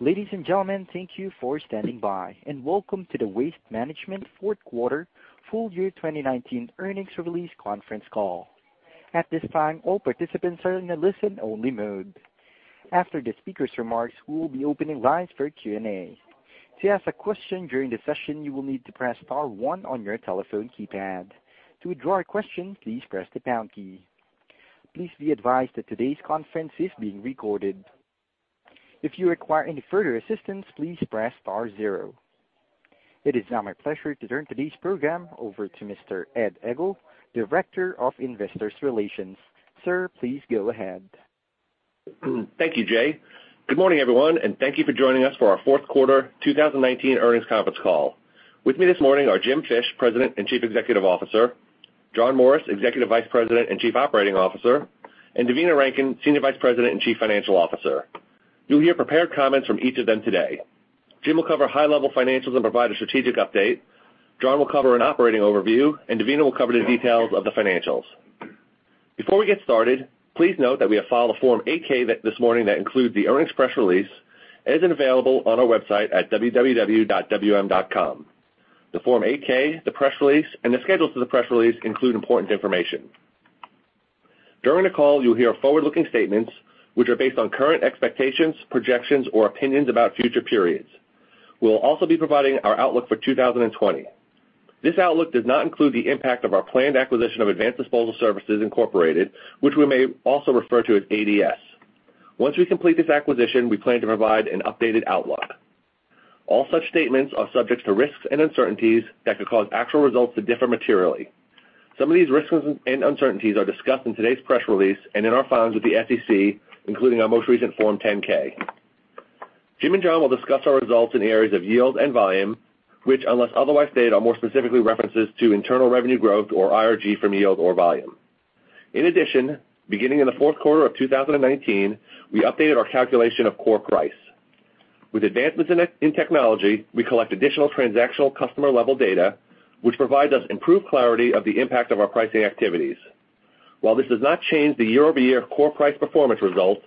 Ladies and gentlemen, thank you for standing by, and welcome to the Waste Management fourth quarter full year 2019 earnings release conference call. At this time, all participants are in a listen-only mode. After the speaker's remarks, we will be opening lines for Q&A. To ask a question during the session, you will need to press star one on your telephone keypad. To withdraw a question, please press the pound key. Please be advised that today's conference is being recorded. If you require any further assistance, please press star zero. It is now my pleasure to turn today's program over to Mr. Ed Egl, Director of Investor Relations. Sir, please go ahead. Thank you, Jay. Good morning, everyone, and thank you for joining us for our fourth quarter 2019 earnings conference call. With me this morning are Jim Fish, President and Chief Executive Officer, John Morris, Executive Vice President and Chief Operating Officer, and Devina Rankin, Senior Vice President and Chief Financial Officer. You'll hear prepared comments from each of them today. Jim will cover high-level financials and provide a strategic update. John will cover an operating overview, and Devina will cover the details of the financials. Before we get started, please note that we have filed a Form 8-K this morning that includes the earnings press release as is available on our website at www.wm.com. The Form 8-K, the press release, and the schedules to the press release include important information. During the call, you'll hear forward-looking statements which are based on current expectations, projections, or opinions about future periods. We will also be providing our outlook for 2020. This outlook does not include the impact of our planned acquisition of Advanced Disposal Services, Inc., which we may also refer to as ADS. Once we complete this acquisition, we plan to provide an updated outlook. All such statements are subject to risks and uncertainties that could cause actual results to differ materially. Some of these risks and uncertainties are discussed in today's press release and in our filings with the SEC, including our most recent Form 10-K. Jim and John will discuss our results in the areas of yield and volume, which unless otherwise stated, are more specifically references to internal revenue growth or IRG from yield or volume. In addition, beginning in the fourth quarter of 2019, we updated our calculation of core price. With advancements in technology, we collect additional transactional customer-level data, which provides us improved clarity of the impact of our pricing activities. While this does not change the year-over-year core price performance result,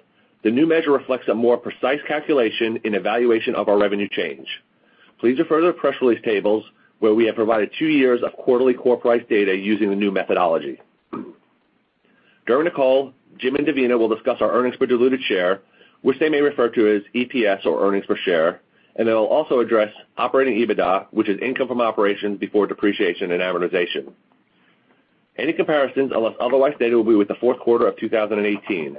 the new measure reflects a more precise calculation in evaluation of our revenue change. Please refer to the press release tables, where we have provided two years of quarterly core price data using the new methodology. During the call, Jim and Devina will discuss our earnings per diluted share, which they may refer to as EPS or earnings per share, and they'll also address operating EBITDA, which is income from operations before depreciation and amortization. Any comparisons, unless otherwise stated, will be with the fourth quarter of 2018.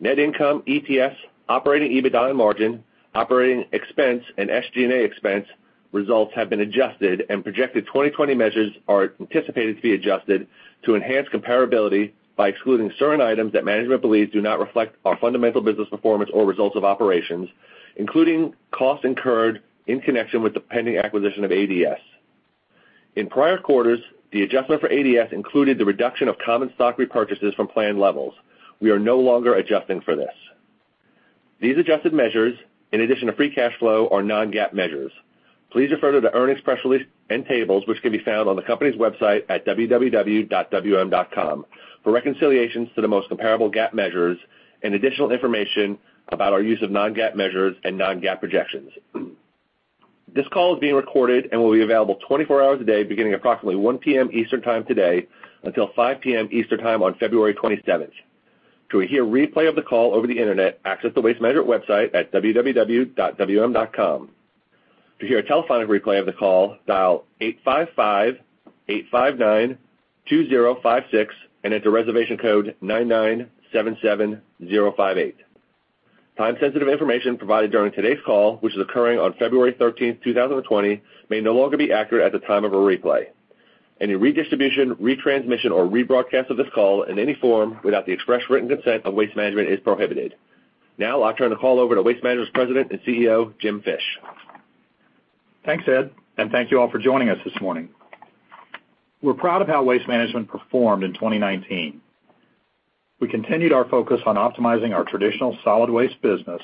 Net income, EPS, operating EBITDA and margin, operating expense, and SG&A expense results have been adjusted and projected 2020 measures are anticipated to be adjusted to enhance comparability by excluding certain items that management believes do not reflect our fundamental business performance or results of operations, including costs incurred in connection with the pending acquisition of ADS. In prior quarters, the adjustment for ADS included the reduction of common stock repurchases from planned levels. We are no longer adjusting for this. These adjusted measures, in addition to free cash flow, are non-GAAP measures. Please refer to the earnings press release and tables which can be found on the company's website at www.wm.com for reconciliations to the most comparable GAAP measures and additional information about our use of non-GAAP measures and non-GAAP projections. This call is being recorded and will be available 24 hours a day beginning approximately 1:00 P.M. Eastern Time today until 5:00 P.M. Eastern Time on February 27th. To hear a replay of the call over the internet, access the Waste Management website at www.wm.com. To hear a telephone replay of the call, dial 855-859-2056 and enter reservation code 9977058. Time-sensitive information provided during today's call, which is occurring on February 13th, 2020, may no longer be accurate at the time of a replay. Any redistribution, retransmission, or rebroadcast of this call in any form without the express written consent of Waste Management is prohibited. Now I'll turn the call over to Waste Management's President and CEO, Jim Fish. Thanks, Ed, and thank you all for joining us this morning. We're proud of how Waste Management performed in 2019. We continued our focus on optimizing our traditional solid waste business,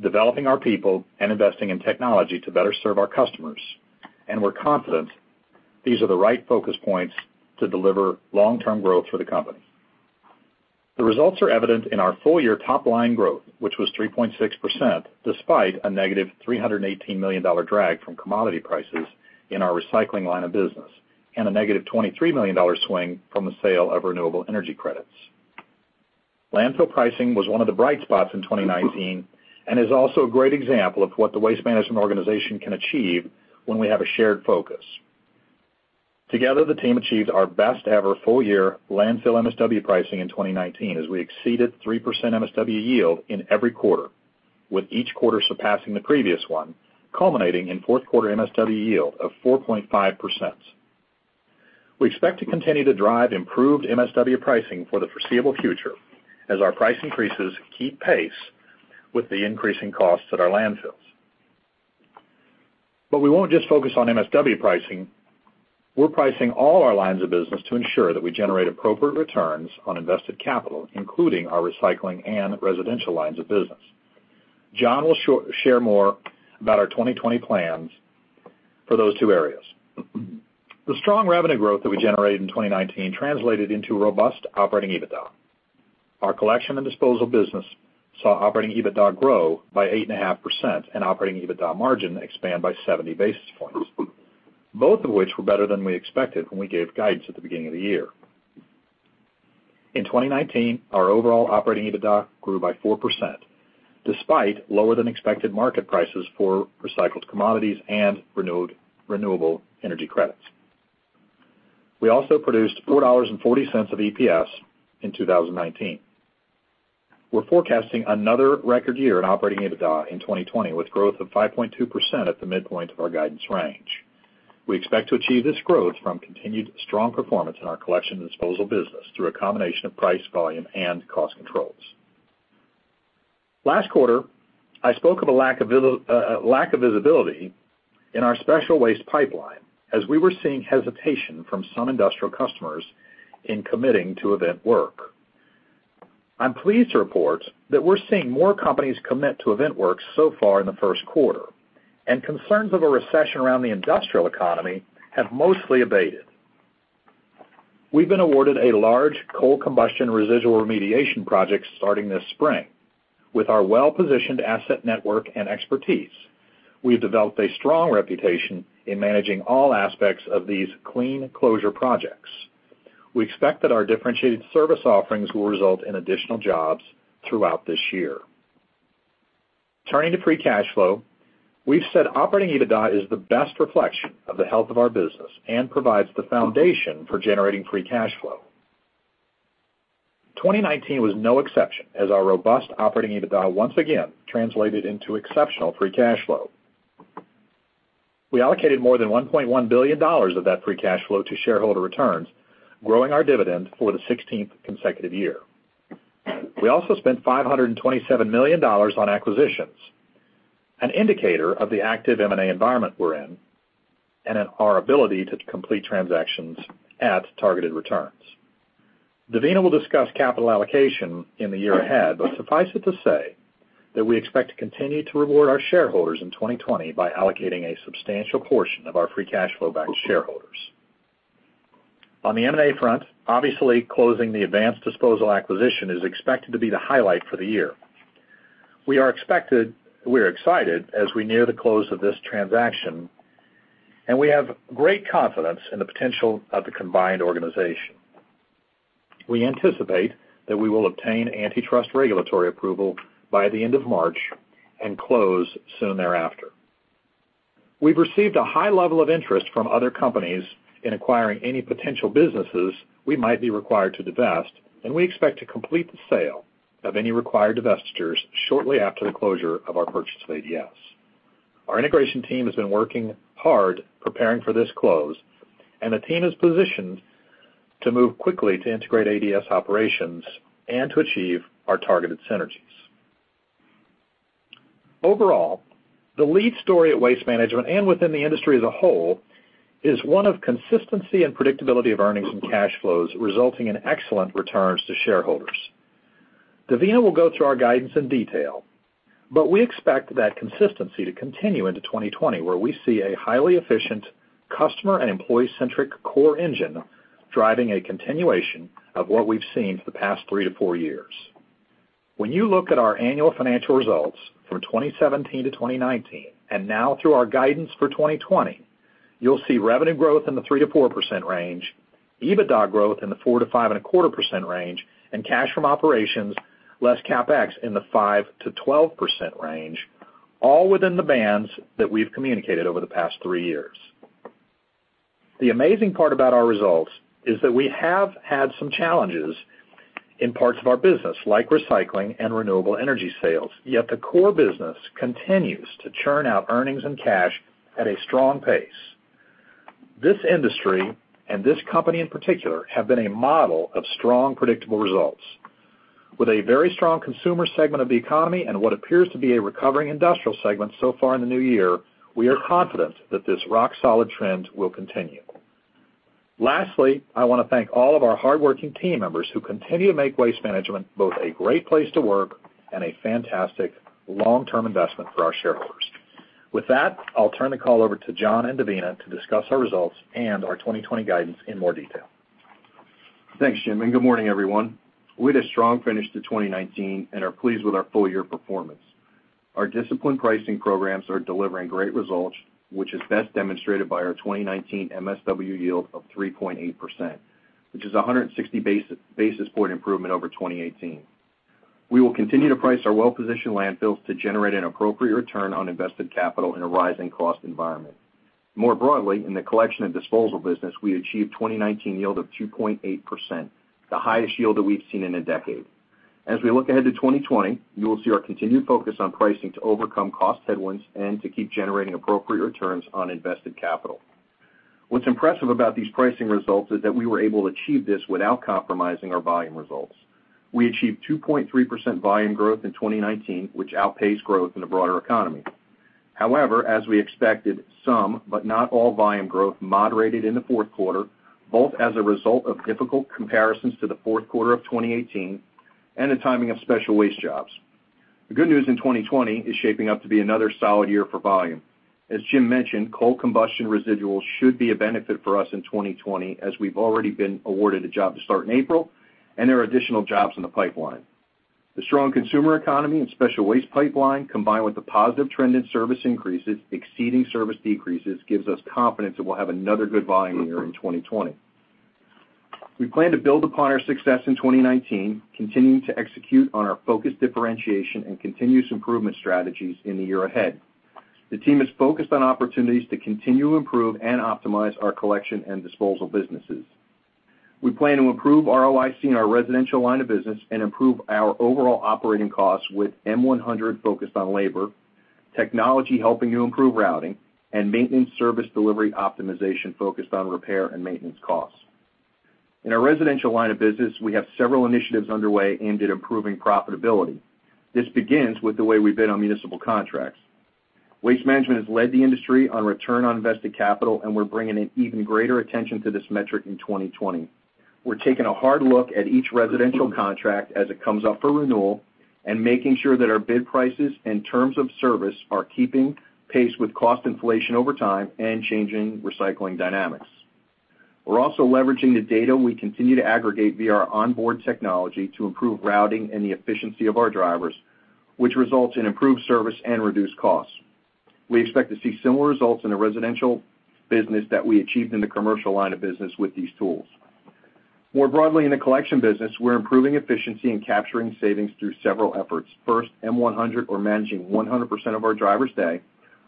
developing our people, and investing in technology to better serve our customers. We're confident these are the right focus points to deliver long-term growth for the company. The results are evident in our full-year top-line growth, which was 3.6%, despite a -$318 million drag from commodity prices in our recycling line of business and a -$23 million swing from the sale of renewable energy credits. Landfill pricing was one of the bright spots in 2019 and is also a great example of what the Waste Management organization can achieve when we have a shared focus. Together, the team achieved our best ever full-year landfill MSW pricing in 2019 as we exceeded 3% MSW yield in every quarter, with each quarter surpassing the previous one, culminating in fourth quarter MSW yield of 4.5%. We expect to continue to drive improved MSW pricing for the foreseeable future as our price increases keep pace with the increasing costs at our landfills. We won't just focus on MSW pricing. We're pricing all our lines of business to ensure that we generate appropriate returns on invested capital, including our recycling and residential lines of business. John will share more about our 2020 plans for those two areas. The strong revenue growth that we generated in 2019 translated into robust operating EBITDA. Our collection and disposal business saw operating EBITDA grow by 8.5% and operating EBITDA margin expand by 70 basis points. Both of which were better than we expected when we gave guidance at the beginning of the year. In 2019, our overall operating EBITDA grew by 4%, despite lower than expected market prices for recycled commodities and renewable energy credits. We also produced $4.40 of EPS in 2019. We're forecasting another record year in operating EBITDA in 2020, with growth of 5.2% at the midpoint of our guidance range. We expect to achieve this growth from continued strong performance in our collection and disposal business through a combination of price, volume, and cost controls. Last quarter, I spoke of a lack of visibility in our special waste pipeline as we were seeing hesitation from some industrial customers in committing to event work. I'm pleased to report that we're seeing more companies commit to event work so far in the first quarter, concerns of a recession around the industrial economy have mostly abated. We've been awarded a large coal combustion residual remediation project starting this spring. With our well-positioned asset network and expertise, we have developed a strong reputation in managing all aspects of these clean closure projects. We expect that our differentiated service offerings will result in additional jobs throughout this year. Turning to free cash flow, we've said operating EBITDA is the best reflection of the health of our business and provides the foundation for generating free cash flow. 2019 was no exception as our robust operating EBITDA once again translated into exceptional free cash flow. We allocated more than $1.1 billion of that free cash flow to shareholder returns, growing our dividend for the 16th consecutive year. We also spent $527 million on acquisitions, an indicator of the active M&A environment we're in, and our ability to complete transactions at targeted returns. Devina will discuss capital allocation in the year ahead, but suffice it to say that we expect to continue to reward our shareholders in 2020 by allocating a substantial portion of our free cash flow back to shareholders. On the M&A front, obviously, closing the Advanced Disposal acquisition is expected to be the highlight for the year. We are excited as we near the close of this transaction, and we have great confidence in the potential of the combined organization. We anticipate that we will obtain antitrust regulatory approval by the end of March and close soon thereafter. We've received a high level of interest from other companies in acquiring any potential businesses we might be required to divest, and we expect to complete the sale of any required divestitures shortly after the closure of our purchase of ADS. Our integration team has been working hard preparing for this close, and the team is positioned to move quickly to integrate ADS operations and to achieve our targeted synergies. Overall, the lead story at Waste Management and within the industry as a whole is one of consistency and predictability of earnings and cash flows, resulting in excellent returns to shareholders. Devina will go through our guidance in detail, but we expect that consistency to continue into 2020, where we see a highly efficient customer and employee-centric core engine driving a continuation of what we've seen for the past three to four years. When you look at our annual financial results from 2017 to 2019, and now through our guidance for 2020, you'll see revenue growth in the 3%-4% range, EBITDA growth in the 4%-5.25% range, and cash from operations, less CapEx in the 5%-12% range, all within the bands that we've communicated over the past three years. The amazing part about our results is that we have had some challenges in parts of our business, like recycling and renewable energy sales. Yet the core business continues to churn out earnings and cash at a strong pace. This industry and this company in particular, have been a model of strong, predictable results. With a very strong consumer segment of the economy and what appears to be a recovering industrial segment so far in the new year, we are confident that this rock-solid trend will continue. Lastly, I want to thank all of our hardworking team members who continue to make Waste Management both a great place to work and a fantastic long-term investment for our shareholders. With that, I'll turn the call over to John and Devina to discuss our results and our 2020 guidance in more detail. Thanks, Jim, and good morning, everyone. We had a strong finish to 2019 and are pleased with our full-year performance. Our disciplined pricing programs are delivering great results, which is best demonstrated by our 2019 MSW yield of 3.8%, which is 160 basis point improvement over 2018. We will continue to price our well-positioned landfills to generate an appropriate return on invested capital in a rising cost environment. More broadly, in the collection and disposal business, we achieved 2019 yield of 2.8%, the highest yield that we've seen in a decade. As we look ahead to 2020, you will see our continued focus on pricing to overcome cost headwinds and to keep generating appropriate returns on invested capital. What's impressive about these pricing results is that we were able to achieve this without compromising our volume results. We achieved 2.3% volume growth in 2019, which outpaced growth in the broader economy. However, as we expected, some, but not all volume growth moderated in the fourth quarter, both as a result of difficult comparisons to the fourth quarter of 2018 and the timing of special waste jobs. The good news in 2020 is shaping up to be another solid year for volume. As Jim mentioned, coal combustion residuals should be a benefit for us in 2020, as we've already been awarded a job to start in April, and there are additional jobs in the pipeline. The strong consumer economy and special waste pipeline, combined with the positive trend in service increases exceeding service decreases, gives us confidence that we'll have another good volume year in 2020. We plan to build upon our success in 2019, continuing to execute on our focused differentiation and continuous improvement strategies in the year ahead. The team is focused on opportunities to continue to improve and optimize our collection and disposal businesses. We plan to improve ROIC in our residential line of business and improve our overall operating costs with M100 focused on labor, technology helping to improve routing, and maintenance service delivery optimization focused on repair and maintenance costs. In our residential line of business, we have several initiatives underway aimed at improving profitability. This begins with the way we bid on municipal contracts. Waste Management has led the industry on return on invested capital, and we're bringing an even greater attention to this metric in 2020. We're taking a hard look at each residential contract as it comes up for renewal and making sure that our bid prices and terms of service are keeping pace with cost inflation over time and changing recycling dynamics. We're also leveraging the data we continue to aggregate via our onboard technology to improve routing and the efficiency of our drivers, which results in improved service and reduced costs. We expect to see similar results in the residential business that we achieved in the commercial line of business with these tools. More broadly in the collection business, we're improving efficiency and capturing savings through several efforts. First, M100, or managing 100% of our drivers' day,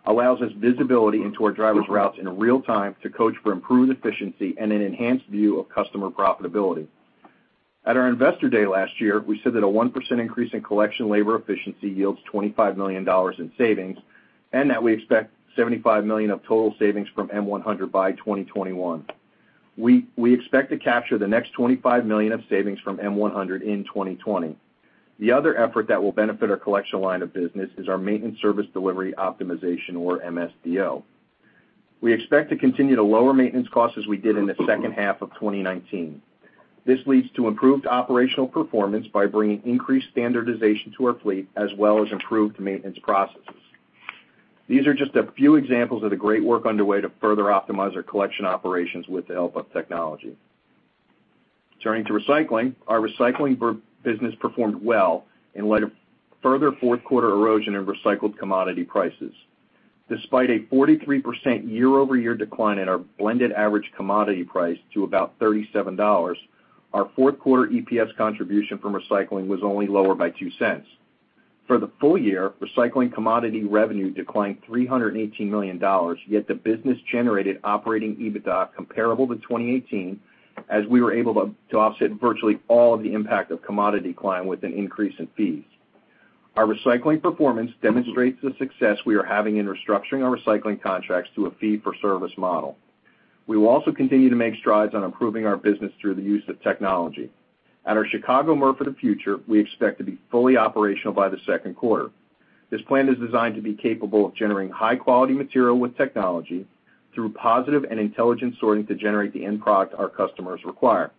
allows us visibility into our drivers' routes in real time to coach for improved efficiency and an enhanced view of customer profitability. At our Investor Day last year, we said that a 1% increase in collection labor efficiency yields $25 million in savings and that we expect $75 million of total savings from M100 by 2021. We expect to capture the next $25 million of savings from M100 in 2020. The other effort that will benefit our collection line of business is our maintenance service delivery optimization or MSDO. We expect to continue to lower maintenance costs as we did in the second half of 2019. This leads to improved operational performance by bringing increased standardization to our fleet as well as improved maintenance processes. These are just a few examples of the great work underway to further optimize our collection operations with the help of technology. Turning to recycling, our recycling business performed well in light of further fourth quarter erosion in recycled commodity prices. Despite a 43% year-over-year decline in our blended average commodity price to about $37, our fourth quarter EPS contribution from recycling was only lower by $0.02. For the full year, recycling commodity revenue declined $318 million. The business generated operating EBITDA comparable to 2018, as we were able to offset virtually all of the impact of commodity decline with an increase in fees. Our recycling performance demonstrates the success we are having in restructuring our recycling contracts to a fee-for-service model. We will also continue to make strides on improving our business through the use of technology. At our Chicago MRF of the Future, we expect to be fully operational by the second quarter. This plant is designed to be capable of generating high-quality material with technology through positive and intelligent sorting to generate the end product our customers require.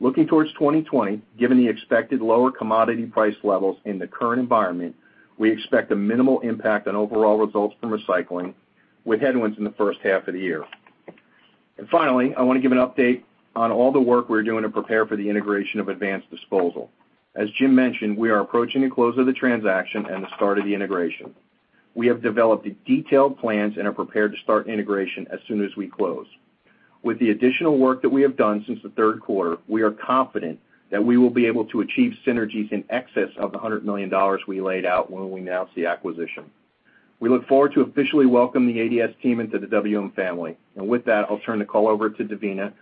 Looking towards 2020, given the expected lower commodity price levels in the current environment, we expect a minimal impact on overall results from recycling with headwinds in the first half of the year. Finally, I want to give an update on all the work we're doing to prepare for the integration of Advanced Disposal. As Jim mentioned, we are approaching the close of the transaction and the start of the integration. We have developed detailed plans and are prepared to start integration as soon as we close. With the additional work that we have done since the third quarter, we are confident that we will be able to achieve synergies in excess of the $100 million we laid out when we announced the acquisition. We look forward to officially welcome the ADS team into the WM family. With that, I'll turn the call over to Devina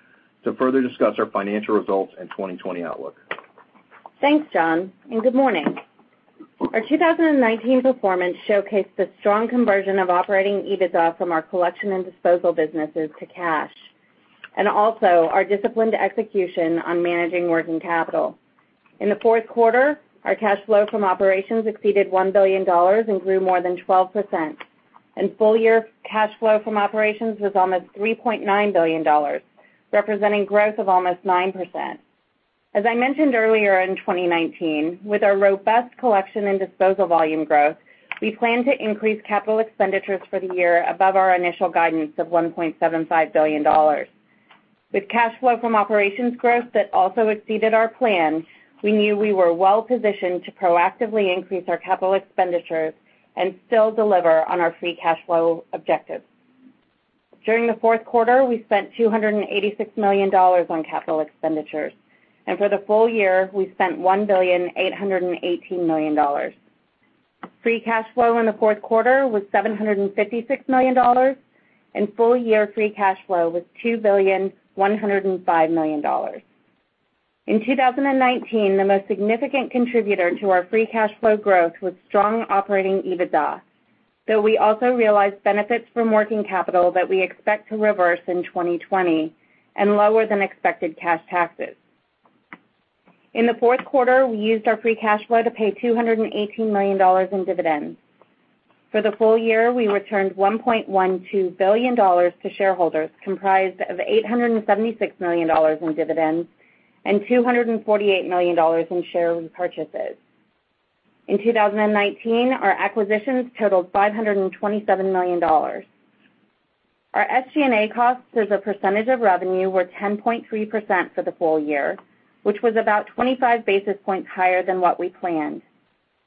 to further discuss our financial results and 2020 outlook. Thanks, John. Good morning. Our 2019 performance showcased a strong conversion of operating EBITDA from our collection and disposal businesses to cash and also our disciplined execution on managing working capital. In the fourth quarter, our cash flow from operations exceeded $1 billion and grew more than 12%. Full-year cash flow from operations was almost $3.9 billion, representing growth of almost 9%. As I mentioned earlier in 2019, with our robust collection and disposal volume growth, we plan to increase capital expenditures for the year above our initial guidance of $1.75 billion. With cash flow from operations growth that also exceeded our plan, we knew we were well-positioned to proactively increase our capital expenditures and still deliver on our free cash flow objectives. During the fourth quarter, we spent $286 million on capital expenditures, and for the full year, we spent $1,818 million. Free cash flow in the fourth quarter was $756 million, and full-year free cash flow was $2.105 billion. In 2019, the most significant contributor to our free cash flow growth was strong operating EBITDA, though we also realized benefits from working capital that we expect to reverse in 2020 and lower than expected cash taxes. In the fourth quarter, we used our free cash flow to pay $218 million in dividends. For the full year, we returned $1.12 billion to shareholders, comprised of $876 million in dividends and $248 million in share repurchases. In 2019, our acquisitions totaled $527 million. Our SG&A costs as a percentage of revenue were 10.3% for the full year, which was about 25 basis points higher than what we planned.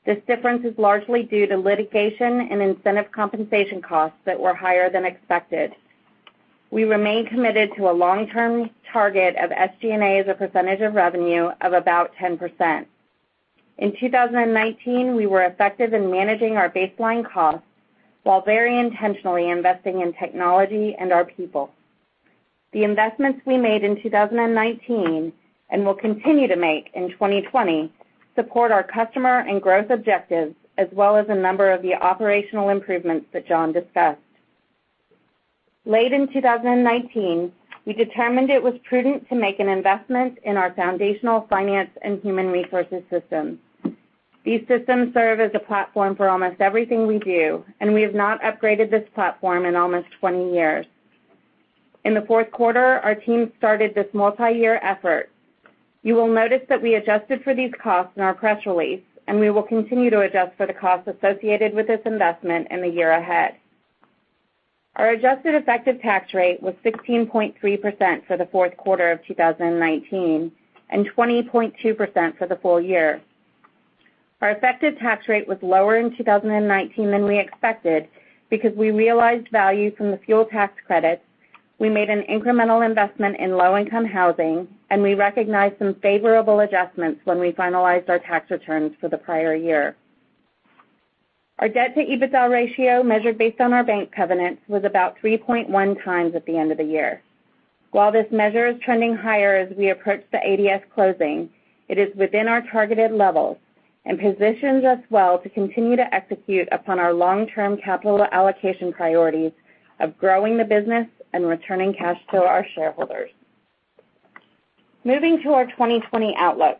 This difference is largely due to litigation and incentive compensation costs that were higher than expected. We remain committed to a long-term target of SG&A as a percentage of revenue of about 10%. In 2019, we were effective in managing our baseline costs while very intentionally investing in technology and our people. The investments we made in 2019, and will continue to make in 2020, support our customer and growth objectives, as well as a number of the operational improvements that John discussed. Late in 2019, we determined it was prudent to make an investment in our foundational finance and human resources systems. These systems serve as a platform for almost everything we do, and we have not upgraded this platform in almost 20 years. In the fourth quarter, our team started this multi-year effort. You will notice that we adjusted for these costs in our press release, and we will continue to adjust for the costs associated with this investment in the year ahead. Our adjusted effective tax rate was 16.3% for the fourth quarter of 2019, and 20.2% for the full year. Our effective tax rate was lower in 2019 than we expected because we realized value from the fuel tax credits, we made an incremental investment in low-income housing, and we recognized some favorable adjustments when we finalized our tax returns for the prior year. Our debt-to-EBITDA ratio, measured based on our bank covenants, was about 3.1x at the end of the year. While this measure is trending higher as we approach the ADS closing, it is within our targeted levels and positions us well to continue to execute upon our long-term capital allocation priorities of growing the business and returning cash to our shareholders. Moving to our 2020 outlook.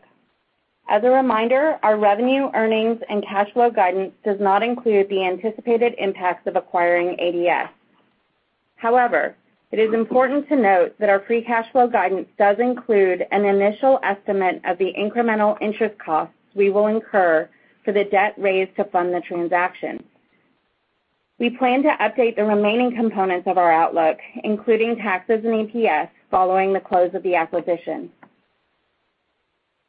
As a reminder, our revenue, earnings, and cash flow guidance does not include the anticipated impacts of acquiring ADS. However, it is important to note that our free cash flow guidance does include an initial estimate of the incremental interest costs we will incur for the debt raised to fund the transaction. We plan to update the remaining components of our outlook, including taxes and EPS, following the close of the acquisition.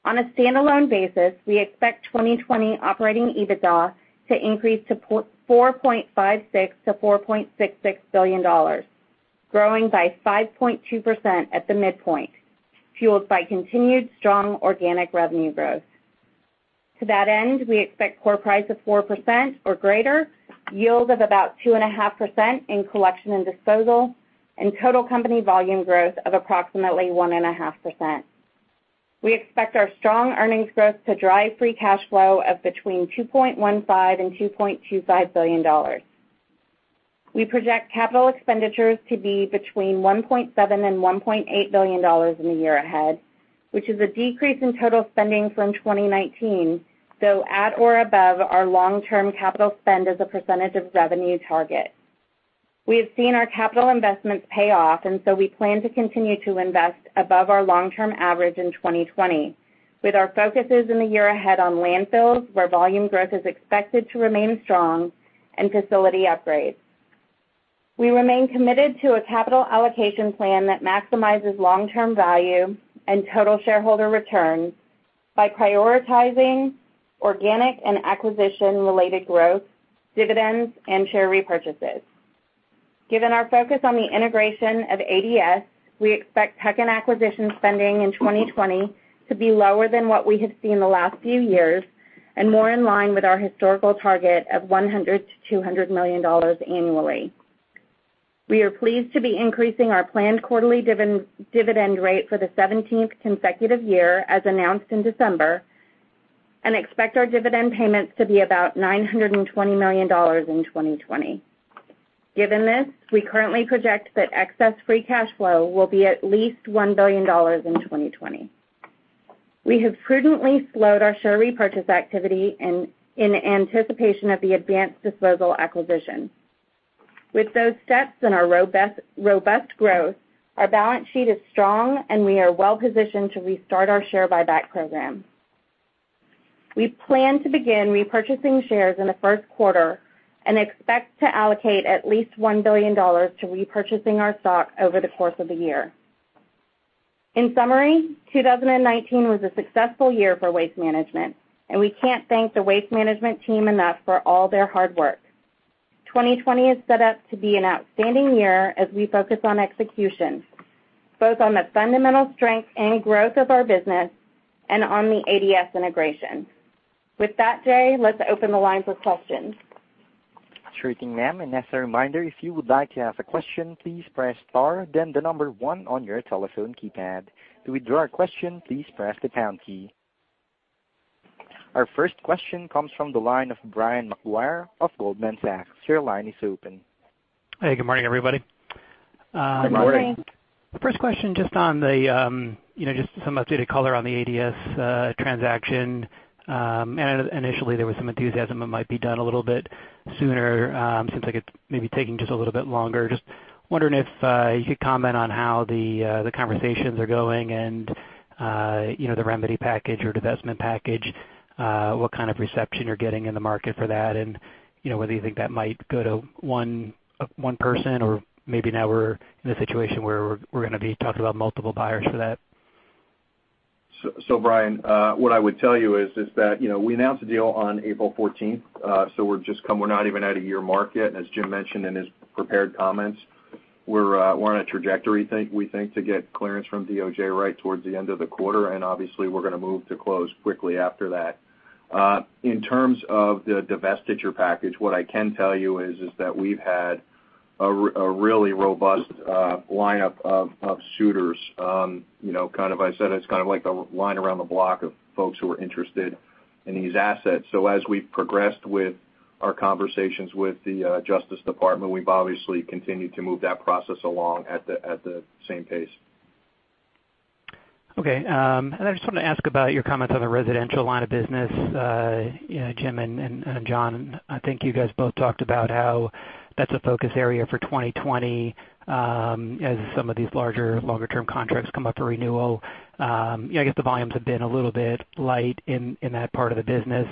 On a standalone basis, we expect 2020 operating EBITDA to increase to $4.56 billion-$4.66 billion, growing by 5.2% at the midpoint, fueled by continued strong organic revenue growth. To that end, we expect core price of 4% or greater, yield of about 2.5% in collection and disposal, and total company volume growth of approximately 1.5%. We expect our strong earnings growth to drive free cash flow of between $2.15 billion and $2.25 billion. We project capital expenditures to be between $1.7 billion and $1.8 billion in the year ahead, which is a decrease in total spending from 2019, though at or above our long-term capital spend as a percentage of revenue target. We have seen our capital investments pay off. We plan to continue to invest above our long-term average in 2020, with our focuses in the year ahead on landfills, where volume growth is expected to remain strong, and facility upgrades. We remain committed to a capital allocation plan that maximizes long-term value and total shareholder returns by prioritizing organic and acquisition-related growth, dividends, and share repurchases. Given our focus on the integration of ADS, we expect M&A and acquisition spending in 2020 to be lower than what we have seen the last few years and more in line with our historical target of $100 million-$200 million annually. We are pleased to be increasing our planned quarterly dividend rate for the 17th consecutive year, as announced in December, and expect our dividend payments to be about $920 million in 2020. Given this, we currently project that excess free cash flow will be at least $1 billion in 2020. We have prudently slowed our share repurchase activity in anticipation of the Advanced Disposal acquisition. With those steps and our robust growth, our balance sheet is strong, and we are well positioned to restart our share buyback program. We plan to begin repurchasing shares in the first quarter and expect to allocate at least $1 billion to repurchasing our stock over the course of the year. In summary, 2019 was a successful year for Waste Management, and we can't thank the Waste Management team enough for all their hard work. 2020 is set up to be an outstanding year as we focus on execution, both on the fundamental strength and growth of our business and on the ADS integration. With that, Jay, let's open the line for questions. Sure thing, ma'am. As a reminder, if you would like to ask a question, please press star then the number one on your telephone keypad. To withdraw a question, please press the pound key. Our first question comes from the line of Brian Maguire of Goldman Sachs. Your line is open. Hey, good morning, everybody. Good morning. First question, just some updated color on the ADS transaction. Initially, there was some enthusiasm it might be done a little bit sooner. Seems like it's maybe taking just a little bit longer. Just wondering if you could comment on how the conversations are going and the remedy package or divestment package, what kind of reception you're getting in the market for that and whether you think that might go to one person or maybe now we're in a situation where we're going to be talking about multiple buyers for that? Brian, what I would tell you is that we announced the deal on April 14th, so we're not even at a year mark yet. As Jim mentioned in his prepared comments, we're on a trajectory, we think, to get clearance from DOJ right towards the end of the quarter, and obviously we're going to move to close quickly after that. In terms of the divestiture package, what I can tell you is that we've had a really robust lineup of suitors. I said it's kind of like a line around the block of folks who are interested in these assets. As we've progressed with our conversations with the Justice Department, we've obviously continued to move that process along at the same pace. Okay. I just wanted to ask about your comments on the residential line of business. Jim and John, I think you guys both talked about how that's a focus area for 2020 as some of these larger, longer-term contracts come up for renewal. I guess the volumes have been a little bit light in that part of the business.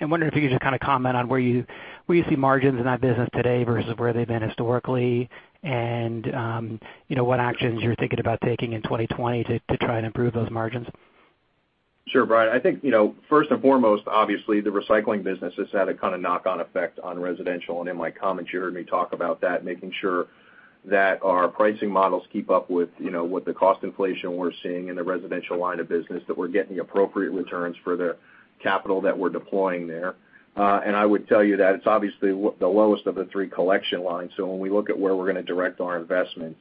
I'm wondering if you could just comment on where you see margins in that business today versus where they've been historically and what actions you're thinking about taking in 2020 to try and improve those margins. Sure, Brian. I think, first and foremost, obviously, the recycling business has had a kind of knock-on effect on residential. In my comments, you heard me talk about that, making sure that our pricing models keep up with the cost inflation we're seeing in the residential line of business, that we're getting appropriate returns for the capital that we're deploying there. I would tell you that it's obviously the lowest of the three collection lines. When we look at where we're going to direct our investments,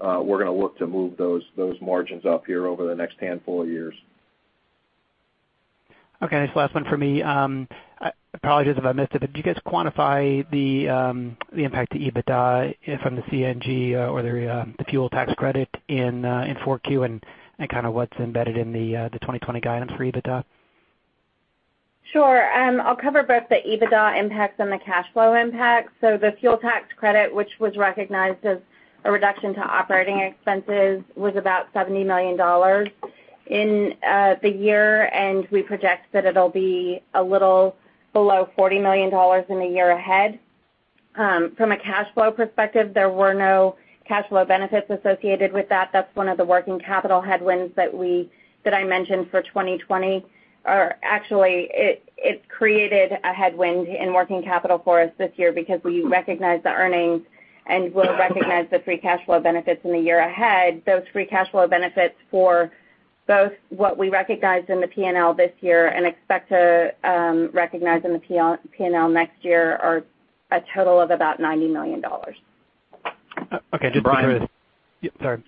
we're going to look to move those margins up here over the next handful of years. Okay. This is the last one from me. Apologies if I missed it, did you guys quantify the impact to EBITDA from the CNG or the fuel tax credit in 4Q and kind of what's embedded in the 2020 guidance for EBITDA? I'll cover both the EBITDA impact and the cash flow impact. The fuel tax credit, which was recognized as a reduction to operating expenses, was about $70 million in the year, and we project that it'll be a little below $40 million in the year ahead. From a cash flow perspective, there were no cash flow benefits associated with that. That's one of the working capital headwinds that I mentioned for 2020. Actually, it's created a headwind in working capital for us this year because we recognize the earnings and will recognize the free cash flow benefits in the year ahead. Those free cash flow benefits for both what we recognized in the P&L this year and expect to recognize in the P&L next year are a total of about $90 million. Okay. Just to be clear. Brian? Yeah, sorry.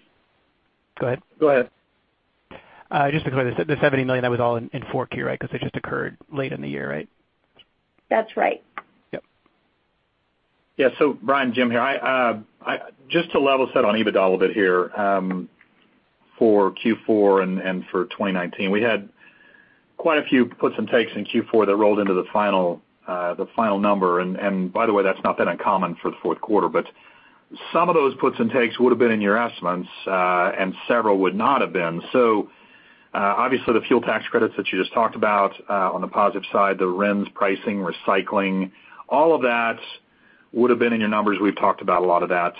Go ahead. Go ahead. Just to be clear, the $70 million, that was all in 4Q, right? Because it just occurred late in the year, right? That's right. Yep. Yeah. Brian, Jim here. Just to level set on EBITDA a little bit here, for Q4 and for 2019, we had quite a few puts and takes in Q4 that rolled into the final number. By the way, that's not that uncommon for the fourth quarter. Some of those puts and takes would've been in your estimates, and several would not have been. Obviously, the fuel tax credits that you just talked about on the positive side, the RINs pricing, recycling, all of that would've been in your numbers. We've talked about a lot of that.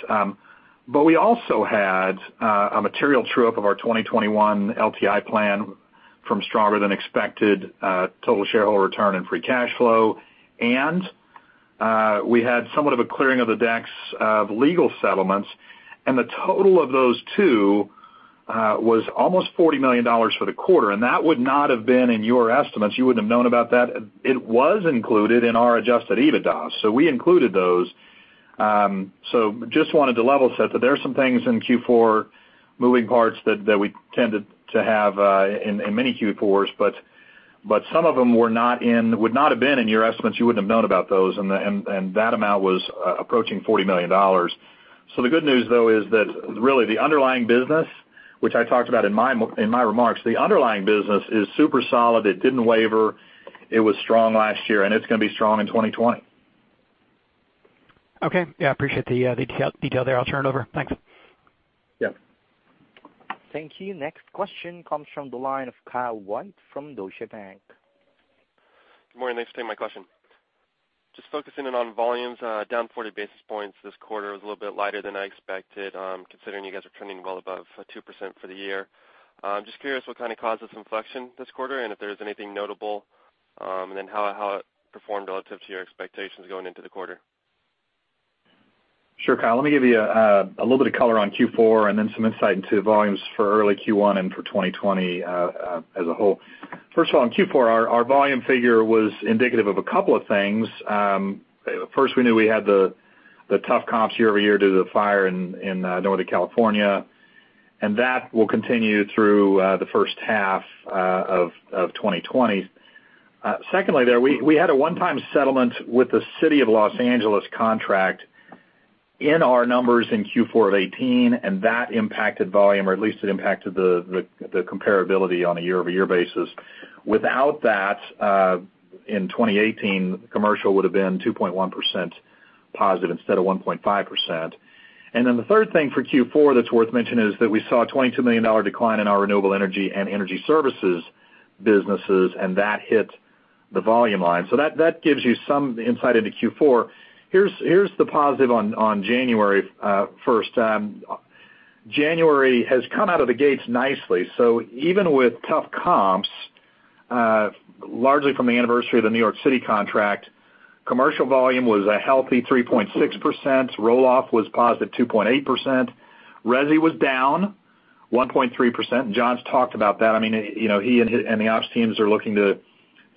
We also had a material true-up of our 2021 LTI plan from stronger than expected total shareholder return and free cash flow, and we had somewhat of a clearing of the decks of legal settlements, and the total of those two was almost $40 million for the quarter, and that would not have been in your estimates. You wouldn't have known about that. It was included in our adjusted EBITDA, so we included those. Just wanted to level set that there are some things in Q4, moving parts that we tended to have in many Q4s, but some of them would not have been in your estimates. You wouldn't have known about those, and that amount was approaching $40 million. The good news, though, is that really the underlying business, which I talked about in my remarks, the underlying business is super solid. It didn't waver. It was strong last year, and it's going to be strong in 2020. Okay. Yeah, appreciate the detail there. I'll turn it over. Thanks. Yeah. Thank you. Next question comes from the line of Kyle White from Deutsche Bank. Good morning. Thanks for taking my question. Just focusing in on volumes, down 40 basis points this quarter was a little bit lighter than I expected, considering you guys are trending well above 2% for the year. I'm just curious what kind of caused this inflection this quarter and if there's anything notable, and then how it performed relative to your expectations going into the quarter. Sure, Kyle. Let me give you a little bit of color on Q4 and then some insight into volumes for early Q1 and for 2020 as a whole. First of all, in Q4, our volume figure was indicative of a couple of things. First, we knew we had the tough comps year-over-year due to the fire in Northern California, and that will continue through the first half of 2020. We had a one-time settlement with the City of Los Angeles contract in our numbers in Q4 of 2018, and that impacted volume, or at least it impacted the comparability on a year-over-year basis. Without that, in 2018, commercial would have been 2.1% positive instead of 1.5%. The third thing for Q4 that's worth mentioning is that we saw a $22 million decline in our renewable energy and energy services businesses, and that hit the volume line. That gives you some insight into Q4. Here's the positive on January 1st. January has come out of the gates nicely. Even with tough comps, largely from the anniversary of the New York City contract, commercial volume was a healthy 3.6%. Roll-off was positive 2.8%. Resi was down 1.3%. John's talked about that. He and the ops teams are looking to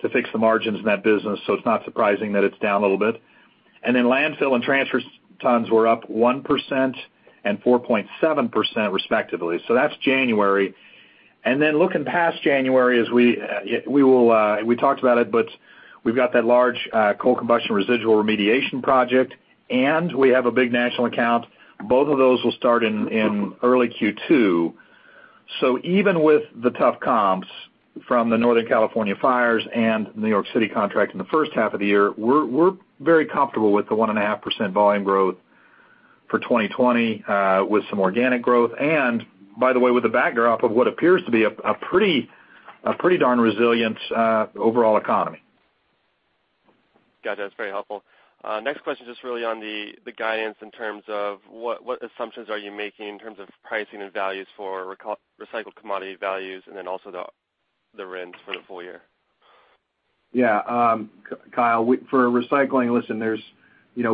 fix the margins in that business, so it's not surprising that it's down a little bit. Landfill and transfer tons were up 1% and 4.7%, respectively. That's January. Looking past January, we talked about it, but we've got that large coal combustion residual remediation project, and we have a big national account. Both of those will start in early Q2. Even with the tough comps from the Northern California fires and New York City contract in the first half of the year, we're very comfortable with the 1.5% volume growth for 2020, with some organic growth. By the way, with the backdrop of what appears to be a pretty darn resilient overall economy. Gotcha. That's very helpful. Next question, just really on the guidance in terms of what assumptions are you making in terms of pricing and values for recycled commodity values and then also the RINs for the full year? Kyle, for recycling, listen,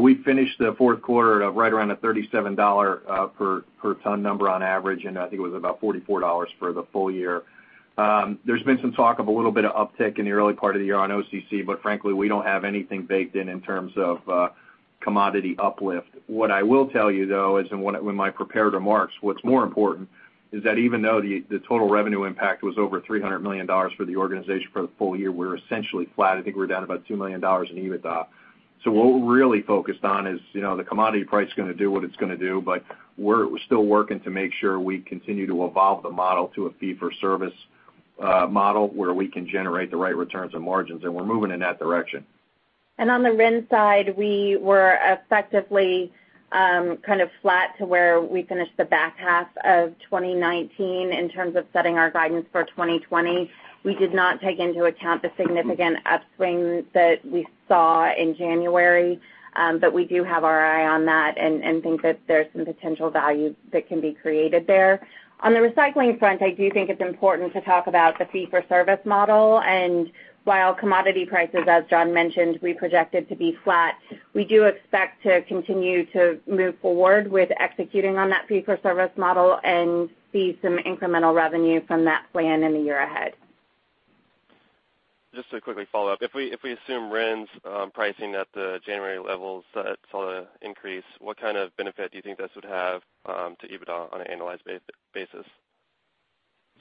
we finished the fourth quarter right around a $37/ton number on average, and I think it was about $44 for the full year. There's been some talk of a little bit of uptick in the early part of the year on OCC, but frankly, we don't have anything baked in terms of commodity uplift. What I will tell you, though, is in my prepared remarks, what's more important is that even though the total revenue impact was over $300 million for the organization for the full year, we're essentially flat. I think we're down about $2 million in EBITDA. What we're really focused on is the commodity price is going to do what it's going to do, but we're still working to make sure we continue to evolve the model to a fee-for-service model, where we can generate the right returns and margins, and we're moving in that direction. On the RIN side, we were effectively kind of flat to where we finished the back half of 2019 in terms of setting our guidance for 2020. We did not take into account the significant upswing that we saw in January, but we do have our eye on that and think that there's some potential value that can be created there. On the recycling front, I do think it's important to talk about the fee-for-service model. While commodity prices, as John mentioned, we projected to be flat, we do expect to continue to move forward with executing on that fee-for-service model and see some incremental revenue from that plan in the year ahead. Just to quickly follow up, if we assume RINs pricing at the January levels that saw the increase, what kind of benefit do you think this would have to EBITDA on an annualized basis?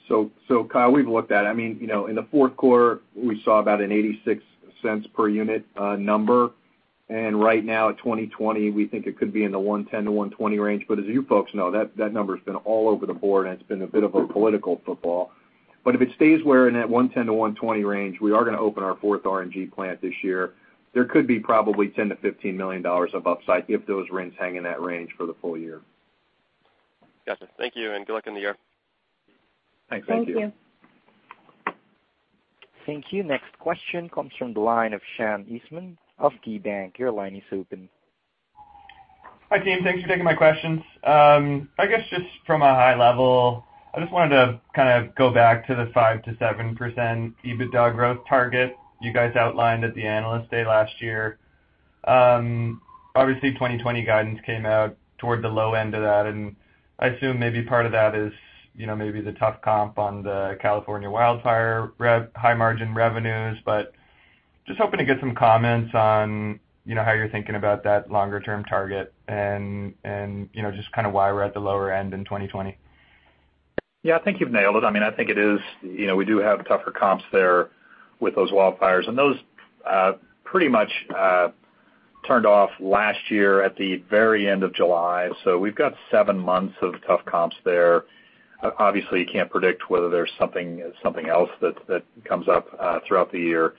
Kyle, we've looked at it. In the fourth quarter, we saw about a $0.86 per unit number, and right now at 2020, we think it could be in the $1.10-$1.20 range. As you folks know, that number's been all over the board, and it's been a bit of a political football. If it stays where in that $1.10-$1.20 range, we are going to open our fourth RNG plant this year. There could be probably $10 million-$15 million of upside if those RINs hang in that range for the full year. Gotcha. Thank you, and good luck in the year. Thanks. Thank you. Thank you. Next question comes from the line of Sean Eastman of KeyBank. Your line is open. Hi, team. Thanks for taking my questions. I guess just from a high level, I just wanted to kind of go back to the 5%-7% EBITDA growth target you guys outlined at the Analyst Day last year. Obviously, 2020 guidance came out toward the low end of that. I assume maybe part of that is maybe the tough comp on the California wildfire high-margin revenues. Just hoping to get some comments on how you're thinking about that longer-term target and just kind of why we're at the lower end in 2020. Yeah, I think you've nailed it. I think we do have tougher comps there with those wildfires, those pretty much turned off last year at the very end of July. We've got seven months of tough comps there. Obviously, you can't predict whether there's something else that comes up throughout the year.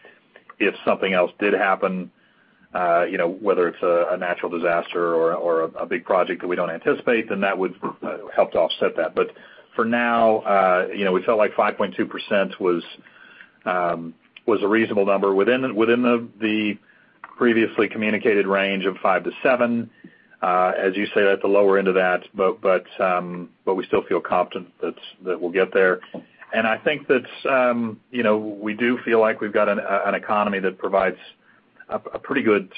If something else did happen, whether it's a natural disaster or a big project that we don't anticipate, then that would help to offset that. For now, we felt like 5.2% was a reasonable number within the previously communicated range of 5%-7%. As you say, that's the lower end of that, but we still feel confident that we'll get there. I think that we do feel like we've got an economy that provides a pretty good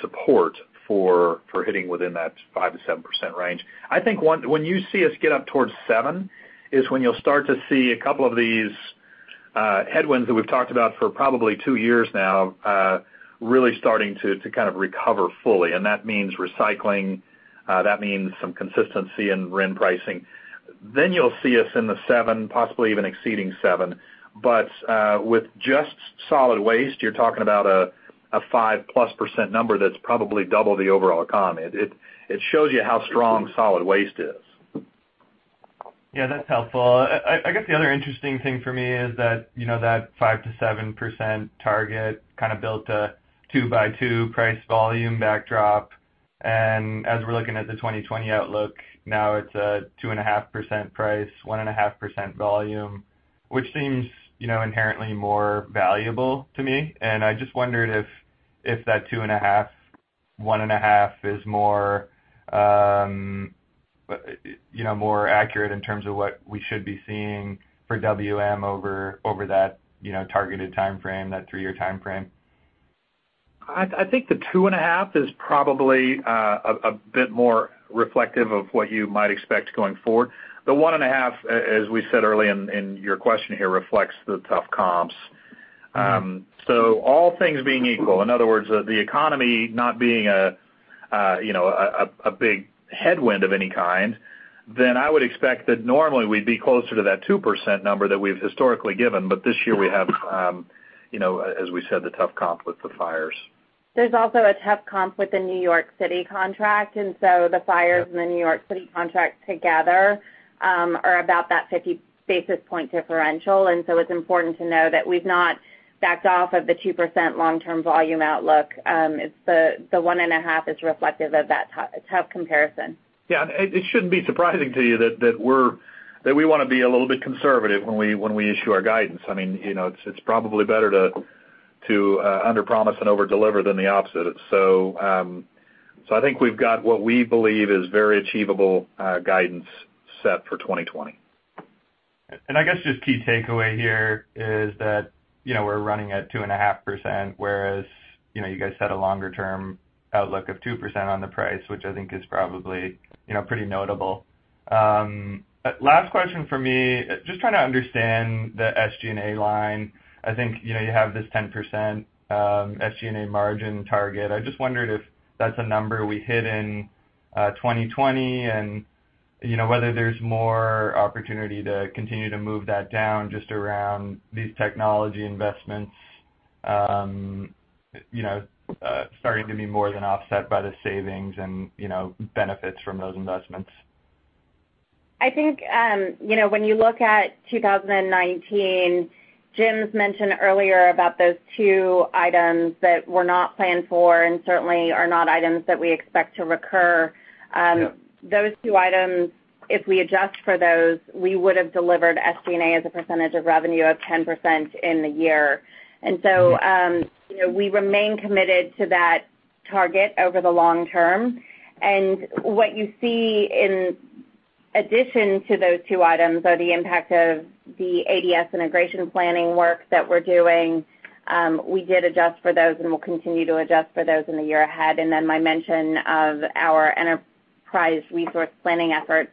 support for hitting within that 5%-7% range. I think when you see us get up towards 7% is when you'll start to see a couple of these headwinds that we've talked about for probably two years now, really starting to kind of recover fully, and that means recycling. That means some consistency in RIN pricing. You'll see us in the 7%, possibly even exceeding 7%. With just solid waste, you're talking about a 5%+ number, that's probably double the overall economy. It shows you how strong solid waste is. Yeah, that's helpful. I guess the other interesting thing for me is that 5%-7% target kind of built a two by two price volume backdrop. As we're looking at the 2020 outlook, now it's a 2.5% price, 1.5% volume, which seems inherently more valuable to me. I just wondered if that 2.5%, 1.5% is more accurate in terms of what we should be seeing for WM over that targeted timeframe, that three-year timeframe. I think the 2.5% is probably a bit more reflective of what you might expect going forward. The 1.5%, as we said earlier in your question here, reflects the tough comps. All things being equal, in other words, the economy not being a big headwind of any kind, then I would expect that normally we'd be closer to that 2% number that we've historically given. This year we have, as we said, the tough comp with the fires. There's also a tough comp with the New York City contract. The fires and the New York City contract together are about that 50 basis point differential. It's important to know that we've not backed off of the 2% long-term volume outlook. The 1.5% is reflective of that tough comparison. Yeah. It shouldn't be surprising to you that we want to be a little bit conservative when we issue our guidance. It's probably better to underpromise and overdeliver than the opposite. I think we've got what we believe is very achievable guidance set for 2020. I guess just key takeaway here is that we're running at 2.5%, whereas you guys set a longer term outlook of 2% on the price, which I think is probably pretty notable. Last question from me, just trying to understand the SG&A line. I think you have this 10% SG&A margin target. I just wondered if that's a number we hit in 2020, and whether there's more opportunity to continue to move that down just around these technology investments starting to be more than offset by the savings and benefits from those investments. I think when you look at 2019, Jim's mentioned earlier about those two items that were not planned for and certainly are not items that we expect to recur. Yeah. Those two items, if we adjust for those, we would have delivered SG&A as a percentage of revenue of 10% in the year. We remain committed to that target over the long term. What you see in addition to those two items are the impact of the ADS integration planning work that we're doing. We did adjust for those, and we'll continue to adjust for those in the year ahead, and then my mention of our Enterprise Resource Planning efforts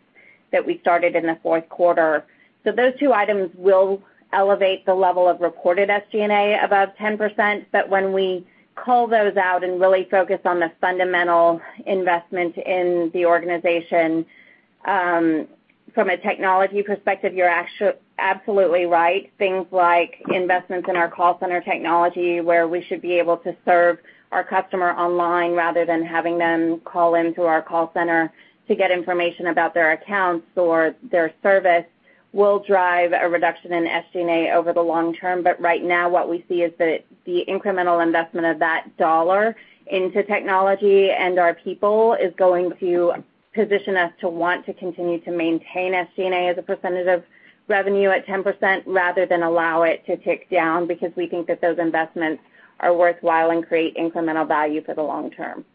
that we started in the fourth quarter. Those two items will elevate the level of reported SG&A above 10%, but when we cull those out and really focus on the fundamental investment in the organization from a technology perspective, you're absolutely right. Things like investments in our call center technology, where we should be able to serve our customer online rather than having them call into our call center to get information about their accounts or their service, will drive a reduction in SG&A over the long term. Right now, what we see is that the incremental investment of that dollar into technology and our people is going to position us to want to continue to maintain SG&A as a percentage of revenue at 10%, rather than allow it to tick down, because we think that those investments are worthwhile and create incremental value for the long term.